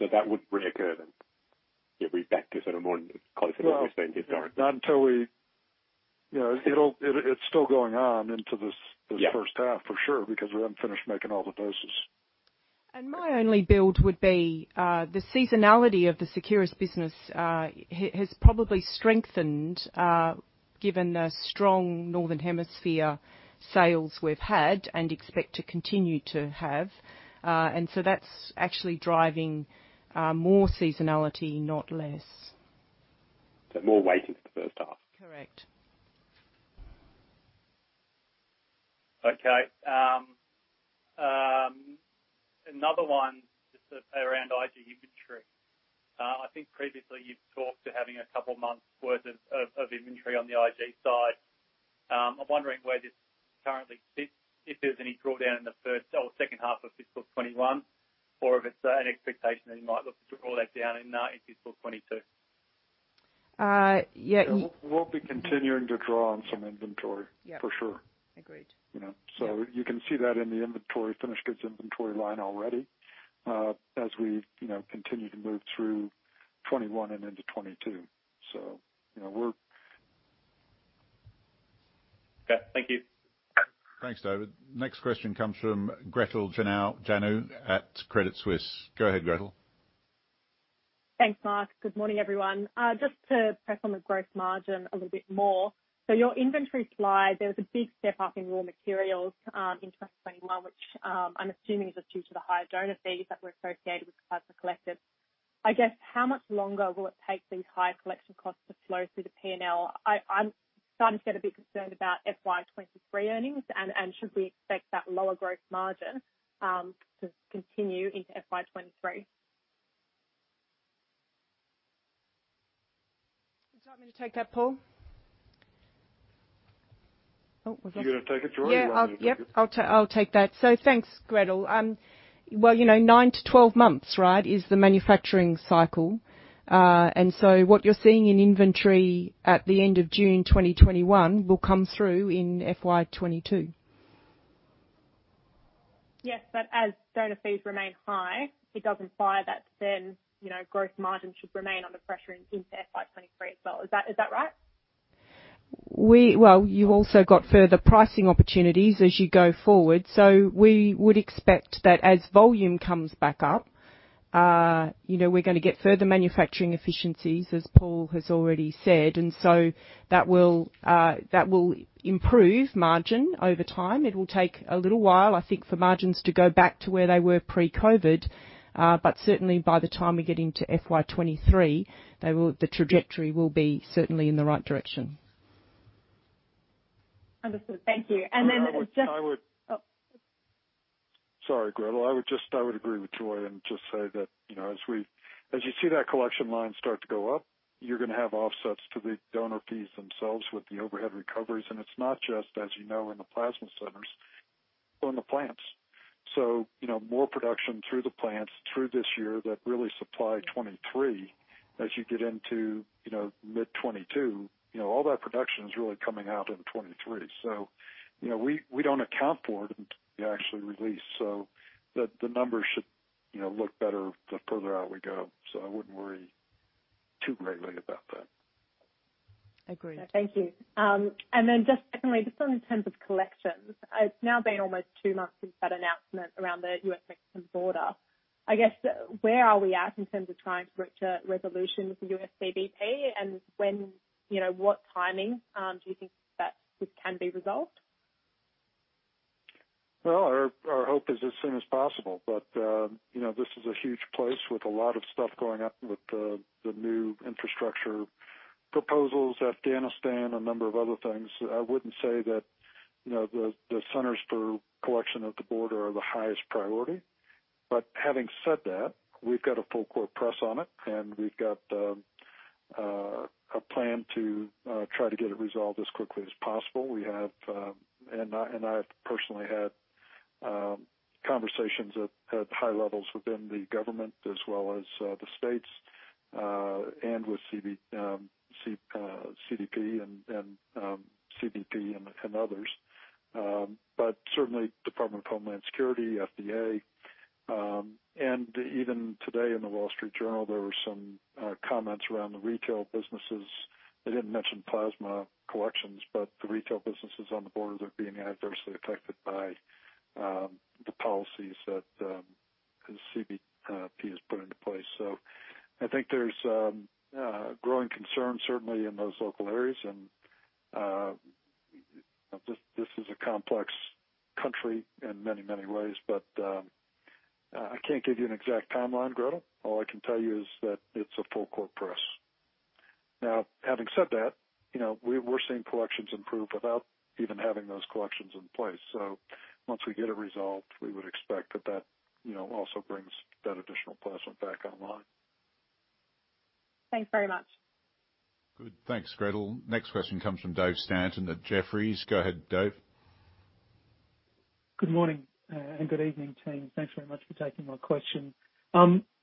That would reoccur then? It'd be back to sort of more closer than we've seen historically. It's still going on into this first half. Yeah. For sure, because we haven't finished making all the doses. My only build would be the seasonality of the Seqirus business has probably strengthened given the strong Northern Hemisphere sales we've had and expect to continue to have. That's actually driving more seasonality, not less. More weighting for the first half. Correct. Okay. Another one, just around IG inventory. I think previously you've talked to having a couple of months worth of inventory on the IG side. I'm wondering where this currently sits, if there's any drawdown in the first or second half of fiscal 2021, or if it's an expectation that you might look to draw that down in fiscal 2022. Yeah. We'll be continuing to draw on some inventory. Yeah. For sure. Agreed. You can see that in the inventory, finished goods inventory line already. As we continue to look through 2021-2022. Okay. Thank you. Thanks, Saul Hadassin. Next question comes from Gretel Janu at Credit Suisse. Go ahead, Gretel. Thanks, Mark. Good morning, everyone. Just to press on the gross margin a little bit more. Your inventory slide, there was a big step up in raw materials in 2021, which I'm assuming is just due to the higher donor fees that were associated with plasma collected. I guess how much longer will it take these higher collection costs to flow through the P&L? I'm starting to get a bit concerned about FY 2023 earnings, and should we expect that lower gross margin to continue into FY 2023? Do you want me to take that, Paul? You going to take it, Joy, or do you want me to take it? Yeah. I'll take that. Thanks, Gretel. Well, 9-12 months is the manufacturing cycle. What you're seeing in inventory at the end of June 2021 will come through in FY 2022. Yes. As donor fees remain high, it does imply that gross margin should remain under pressure into FY 2023 as well. Is that right? You also got further pricing opportunities as you go forward. We would expect that as volume comes back up, we're going to get further manufacturing efficiencies, as Paul has already said. That will improve margin over time. It will take a little while, I think, for margins to go back to where they were pre-COVID. Certainly, by the time we get into FY 2023, the trajectory will be certainly in the right direction. Understood. Thank you. And I would- Oh. Sorry, Gretel. I would agree with Joy and just say that, as you see that collection line start to go up, you're going to have offsets to the donor fees themselves with the overhead recoveries, and it's not just, as you know, in the plasma centers, but in the plants. More production through the plants through this year that really supply 2023 as you get into mid 2022. All that production is really coming out in 2023. We don't account for it until we actually release, so the numbers should look better the further out we go. I wouldn't worry too greatly about that. Agreed. Thank you. Just secondly, just on in terms of collections, it's now been almost two months since that announcement around the U.S., Mexican border. I guess, where are we at in terms of trying to reach a resolution with the U.S. CBP and what timing do you think that this can be resolved? Well, our hope is as soon as possible. This is a huge place with a lot of stuff going up with the new infrastructure proposals, Afghanistan, a number of other things. I wouldn't say that the centers for collection at the border are the highest priority. Having said that, we've got a full court press on it, and we've got a plan to try to get it resolved as quickly as possible. We have, and I have personally had conversations at high levels within the government as well as the states, and with CBP and others, certainly, Department of Homeland Security, FDA. Even today in "The Wall Street Journal," there were some comments around the retail businesses. They didn't mention plasma collections, but the retail businesses on the border are being adversely affected by the policies that CBP has put into place. I think there's growing concern certainly in those local areas and this is a complex country in many, many ways. I can't give you an exact timeline, Gretel. All I can tell you is that it's a full court press. Now, having said that, we're seeing collections improve without even having those collections in place. Once we get it resolved, we would expect that that also brings that additional plasma back online. Thanks very much. Good. Thanks, Gretel. Next question comes from David Stanton at Jefferies. Go ahead, Dave. Good morning and good evening, team. Thanks very much for taking my question.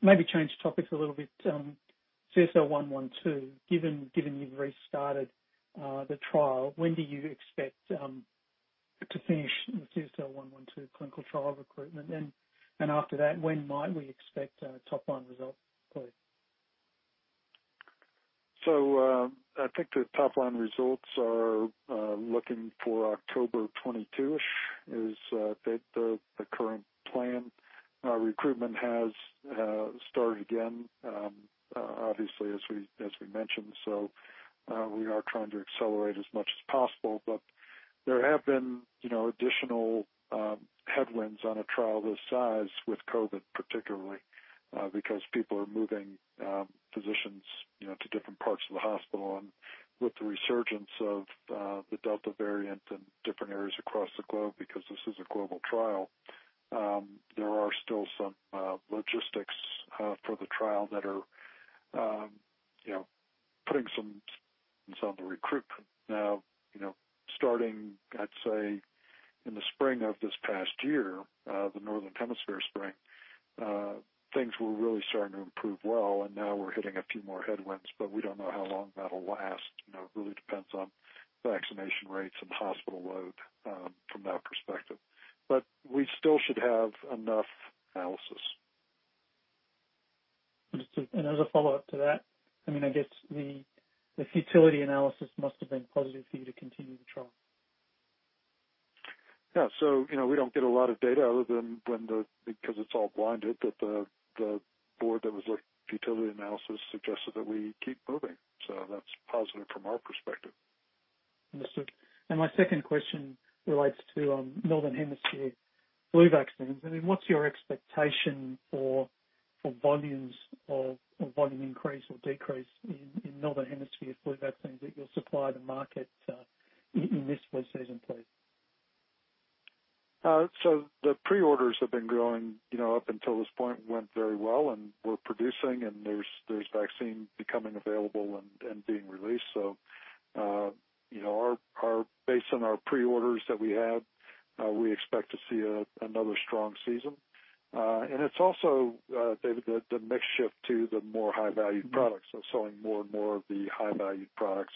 Maybe change topics a little bit. CSL112, given you've restarted the trial, when do you expect to finish the CSL112 clinical trial recruitment? After that, when might we expect top-line results, please? I think the top-line results are looking for October 2022-ish is the current plan. Recruitment has started again, obviously, as we mentioned. We are trying to accelerate as much as possible, but there have been additional headwinds on a trial this size with COVID, particularly because people are moving positions to different parts of the hospital and with the resurgence of the Delta variant in different areas across the globe, because this is a global trial. There are still some logistics for the trial that are putting some on the recruitment now. Starting, I'd say, in the spring of this past year, the Northern Hemisphere spring, things were really starting to improve well, and now we're hitting a few more headwinds, but we don't know how long that'll last. It really depends on vaccination rates and hospital load from that perspective. We still should have enough analysis. Understood. As a follow-up to that, I guess the futility analysis must have been positive for you to continue the trial? We don't get a lot of data other than when the, because it's all blinded, the board that was looking at futility analysis suggested that we keep moving. That's positive from our perspective. Understood. My second question relates to Northern Hemisphere flu vaccines. I mean, what's your expectation for volume increase or decrease in Northern Hemisphere flu vaccines that you'll supply to market in this flu season, please? The pre-orders have been growing up until this point went very well, and we're producing, and there's vaccine becoming available and being released. Based on our pre-orders that we have, we expect to see another strong season. It's also, Dave, the mix shift to the more high-value products. Selling more and more of the high-value products.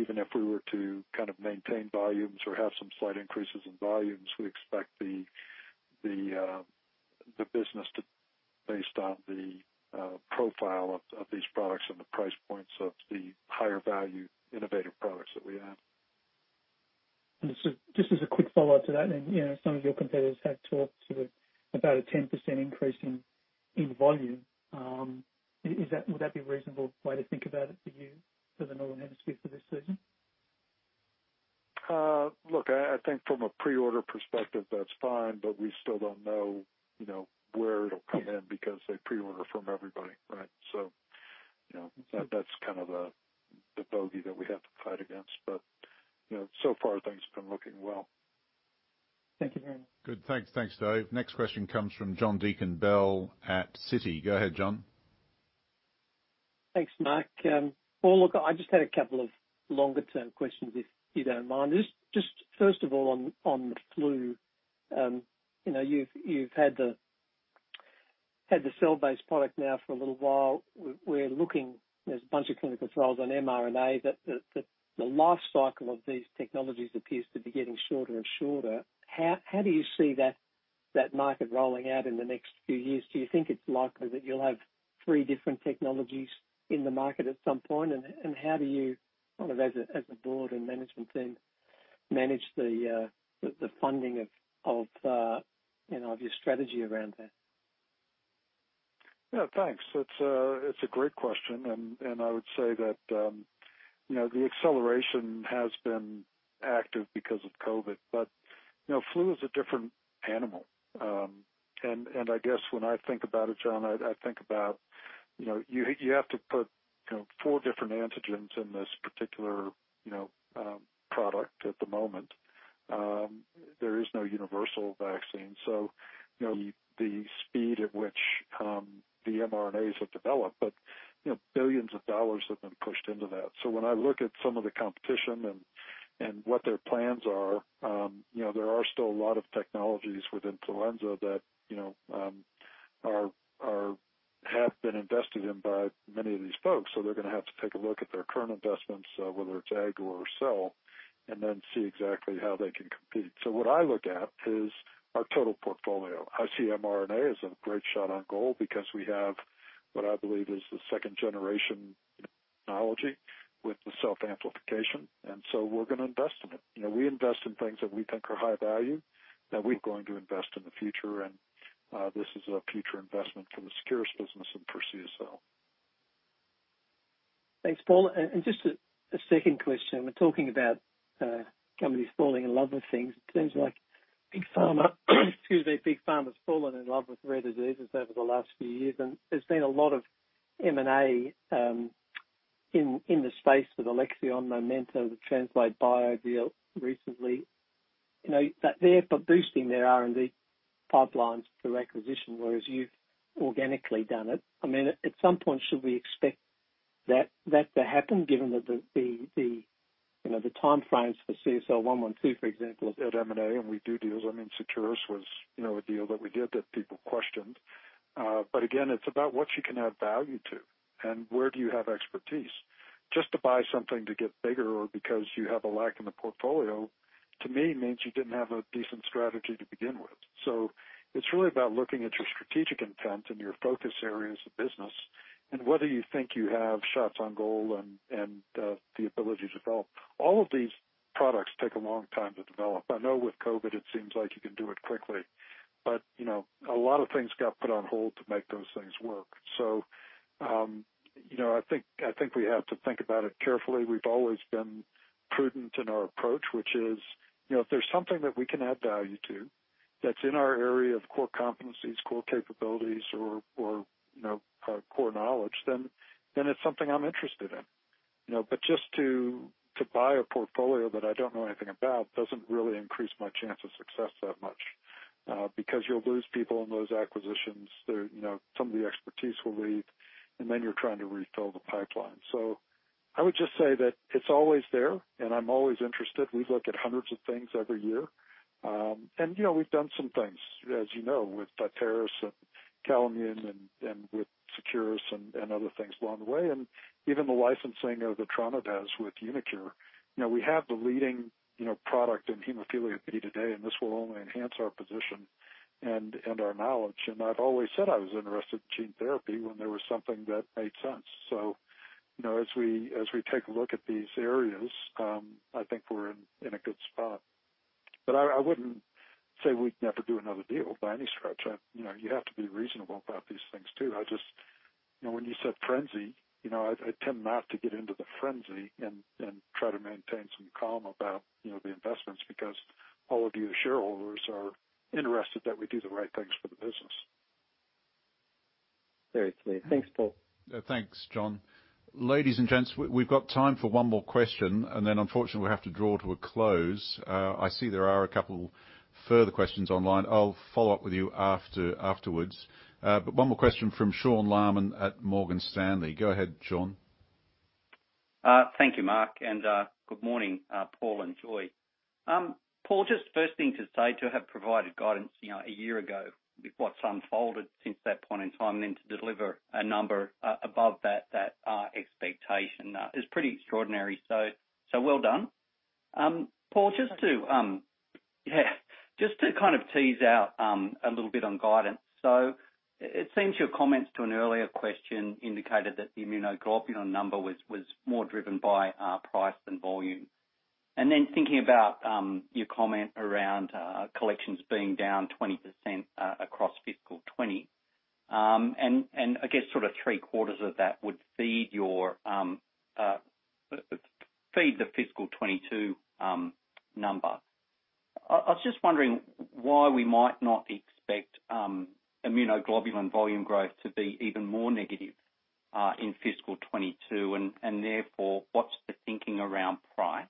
Even if we were to kind of maintain volumes or have some slight increases in volumes, we expect the business based on the profile of these products and the price points of the higher value innovative products that we have. Just as a quick follow-up to that then. Some of your competitors have talked about a 10% increase in volume. Would that be a reasonable way to think about it for you for the Northern Hemisphere for this season? Look, I think from a pre-order perspective, that's fine, but we still don't know where it'll come in because they pre-order from everybody, right? That's kind of the bogey that we have to fight against. So far things have been looking well. Thank you very much. Good. Thanks, Dave. Next question comes from John Deakin-Bell at Citi. Go ahead, John. Thanks, Mark. Paul, look, I just had a couple of longer-term questions, if you don't mind. First of all, on the flu, you've had the cell-based product now for a little while. There's a bunch of clinical trials on mRNA that the life cycle of these technologies appears to be getting shorter and shorter. How do you see that market rolling out in the next few years? Do you think it's likely that you'll have three different technologies in the market at some point? How do you, sort of as a board and management team, manage the funding of your strategy around that? Yeah, thanks. It's a great question, and I would say that the acceleration has been active because of COVID, but flu is a different animal. I guess when I think about it, John, I think about you have to put 4 different antigens in this particular product at the moment. There is no universal vaccine, so the speed at which the mRNAs have developed, but billions dollars have been pushed into that. When I look at some of the competition and what their plans are, there are still a lot of technologies within influenza that have been invested in by many of these folks. They're going to have to take a look at their current investments, whether to add or sell, and then see exactly how they can compete. What I look at is our total portfolio. I see mRNA as a great shot on goal because we have what I believe is the second-generation technology with the self-amplification, and so we're going to invest in it. We invest in things that we think are high value, that we're going to invest in the future, and this is a future investment for the Seqirus business and for CSL. Thanks, Paul. Just a second question. We're talking about companies falling in love with things. It seems like big pharma's fallen in love with rare diseases over the last few years, and there's been a lot of M&A in the space with Alexion, Momenta, the Translate Bio deal recently. They're boosting their R&D pipelines through acquisition, whereas you've organically done it. At some point, should we expect that to happen given that the time frames for CSL112, for example- At M&A, when we do deals, Seqirus was a deal that we did that people questioned. Again, it's about what you can add value to and where do you have expertise. Just to buy something to get bigger or because you have a lack in the portfolio, to me, means you didn't have a decent strategy to begin with. It's really about looking at your strategic intent and your focus areas of business and whether you think you have shots on goal and the ability to develop. All of these products take a long time to develop. I know with COVID, it seems like you can do it quickly, but a lot of things got put on hold to make those things work. I think we have to think about it carefully. We've always been prudent in our approach, which is, if there's something that we can add value to, that's in our area of core competencies, core capabilities or our core knowledge, then it's something I'm interested in. Just to buy a portfolio that I don't know anything about doesn't really increase my chance of success that much, because you'll lose people in those acquisitions. Some of the expertise will leave, then you're trying to refill the pipeline. I would just say that it's always there, and I'm always interested. We look at hundreds of things every year. We've done some things, as you know, with Vitaeris and Calimmune and with Seqirus and other things along the way, and even the licensing of the EtranaDez with uniQure. We have the leading product in hemophilia B today, and this will only enhance our position and our knowledge. I've always said I was interested in gene therapy when there was something that made sense. As we take a look at these areas, I think we're in a good spot. I wouldn't say we'd never do another deal by any stretch. You have to be reasonable about these things, too. When you said frenzy, I tend not to get into the frenzy and try to maintain some calm about the investments because all of you shareholders are interested that we do the right things for the business. Very clear. Thanks, Paul. Thanks, John. Ladies and gents, we've got time for one more question, and then unfortunately, we have to draw to a close. I see there are a couple further questions online. I'll follow up with you afterwards. One more question from Sean Laaman at Morgan Stanley. Go ahead, Sean. Thank you, Mark, and good morning, Paul and Joy. Paul, just first thing to say, to have provided guidance a year ago with what's unfolded since that point in time, then to deliver a number above that expectation is pretty extraordinary. Well done. Paul, just to kind of tease out a little bit on guidance. It seems your comments to an earlier question indicated that the immunoglobulin number was more driven by price than volume. Thinking about your comment around collections being down 20% across FY 2020, and I guess sort of three-quarters of that would feed the FY 2022 number. I was just wondering why we might not expect immunoglobulin volume growth to be even more negative, in FY 2022, and therefore, what's the thinking around price?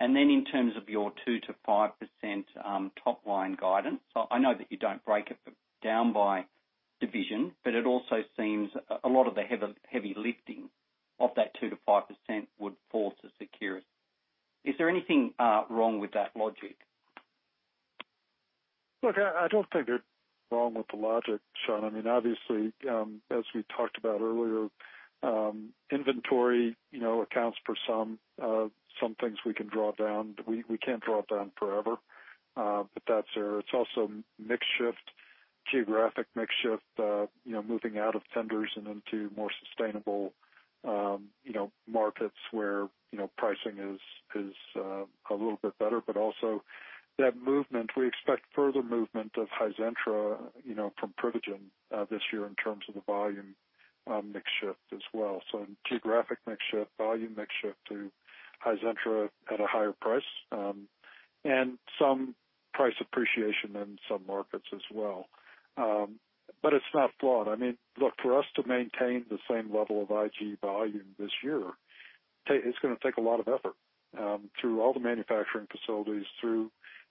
In terms of your 2%-5% top-line guidance, I know that you don't break it down by division, but it also seems a lot of the heavy lifting of that 2%-5% would fall to Seqirus. Is there anything wrong with that logic? Look, I don't think you're wrong with the logic, Sean. I mean, obviously, as we talked about earlier, inventory accounts for some things we can draw down. We can't draw it down forever. That's there. It's also mix shift, geographic mix shift, moving out of tenders and into more sustainable markets where pricing is a little bit better. Also that movement, we expect further movement of Hizentra from Privigen this year in terms of the volume mix shift as well. Geographic mix shift, volume mix shift to Hizentra at a higher price, and some price appreciation in some markets as well. It's not flawed. I mean, look, for us to maintain the same level of IG volume this year, it's going to take a lot of effort, through all the manufacturing facilities, through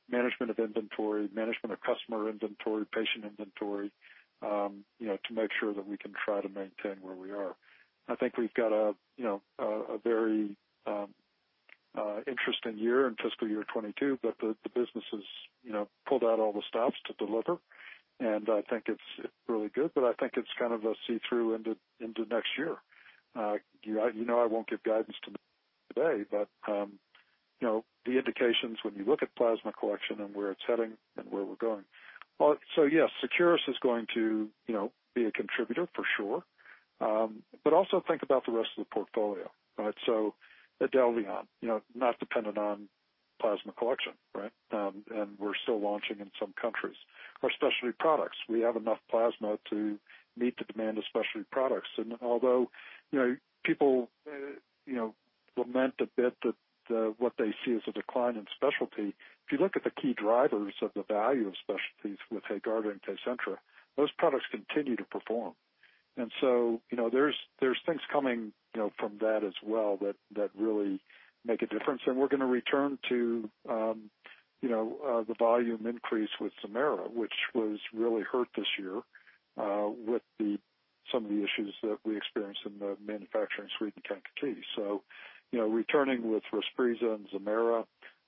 management of inventory, management of customer inventory, patient inventory, to make sure that we can try to maintain where we are. I think we've got a very interesting year in FY 2022, but the business has pulled out all the stops to deliver, and I think it's really good. I think it's kind of a see-through into next year. You know I won't give guidance today, but the indications when you look at plasma collection and where it's heading and where we're going. Yes, Seqirus is going to be a contributor for sure. Also think about the rest of the portfolio, right? IDELVION, not dependent on plasma collection, right? We're still launching in some countries. Our specialty products, we have enough plasma to meet the demand of specialty products. Although people lament a bit that what they see as a decline in specialty, if you look at the key drivers of the value of specialties with HAEGARDA and KCENTRA, those products continue to perform. There's things coming from that as well that really make a difference. We're going to return to the volume increase with ZEMAIRA, which was really hurt this year with some of the issues that we experienced in the manufacturing suite in Kankakee. Returning with Respreeza and ZEMAIRA,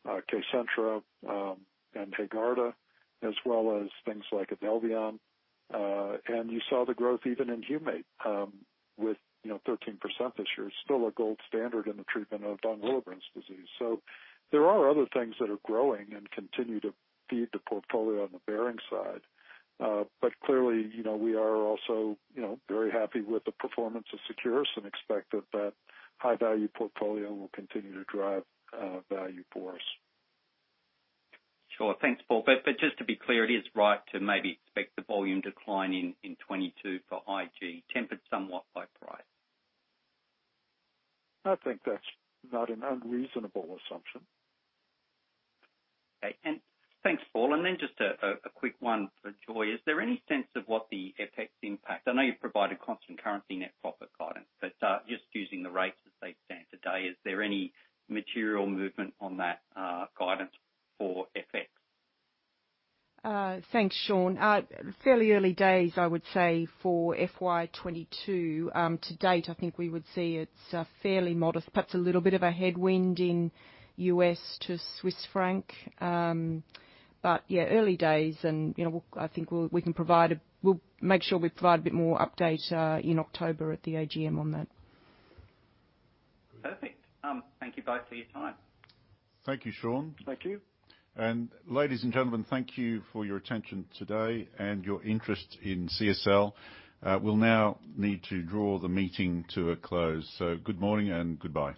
KCENTRA, and HAEGARDA, as well as things like IDELVION. You saw the growth even in Humate-P with 13% this year. It's still a gold standard in the treatment of von Willebrand disease. There are other things that are growing and continue to feed the portfolio on the CSL Behring side. Clearly, we are also very happy with the performance of Seqirus and expect that that high-value portfolio will continue to drive value for us. Sure. Thanks, Paul. Just to be clear, it is right to maybe expect the volume decline in 2022 for IG, tempered somewhat by price. I think that's not an unreasonable assumption. Okay. Thanks, Paul. Just a quick one for Joy. Is there any sense of what the FX impact I know you've provided constant currency net profit guidance, but just using the rates as they stand today, is there any material movement on that guidance for FX? Thanks, Sean. Fairly early days, I would say, for FY 2022. To date, I think we would see it's fairly modest, perhaps a little bit of a headwind in U.S. to Swiss franc. Yeah, early days, and I think we'll make sure we provide a bit more update in October at the AGM on that. Perfect. Thank you both for your time. Thank you, Sean. Thank you. Ladies and gentlemen, thank you for your attention today and your interest in CSL. We'll now need to draw the meeting to a close. Good morning and goodbye.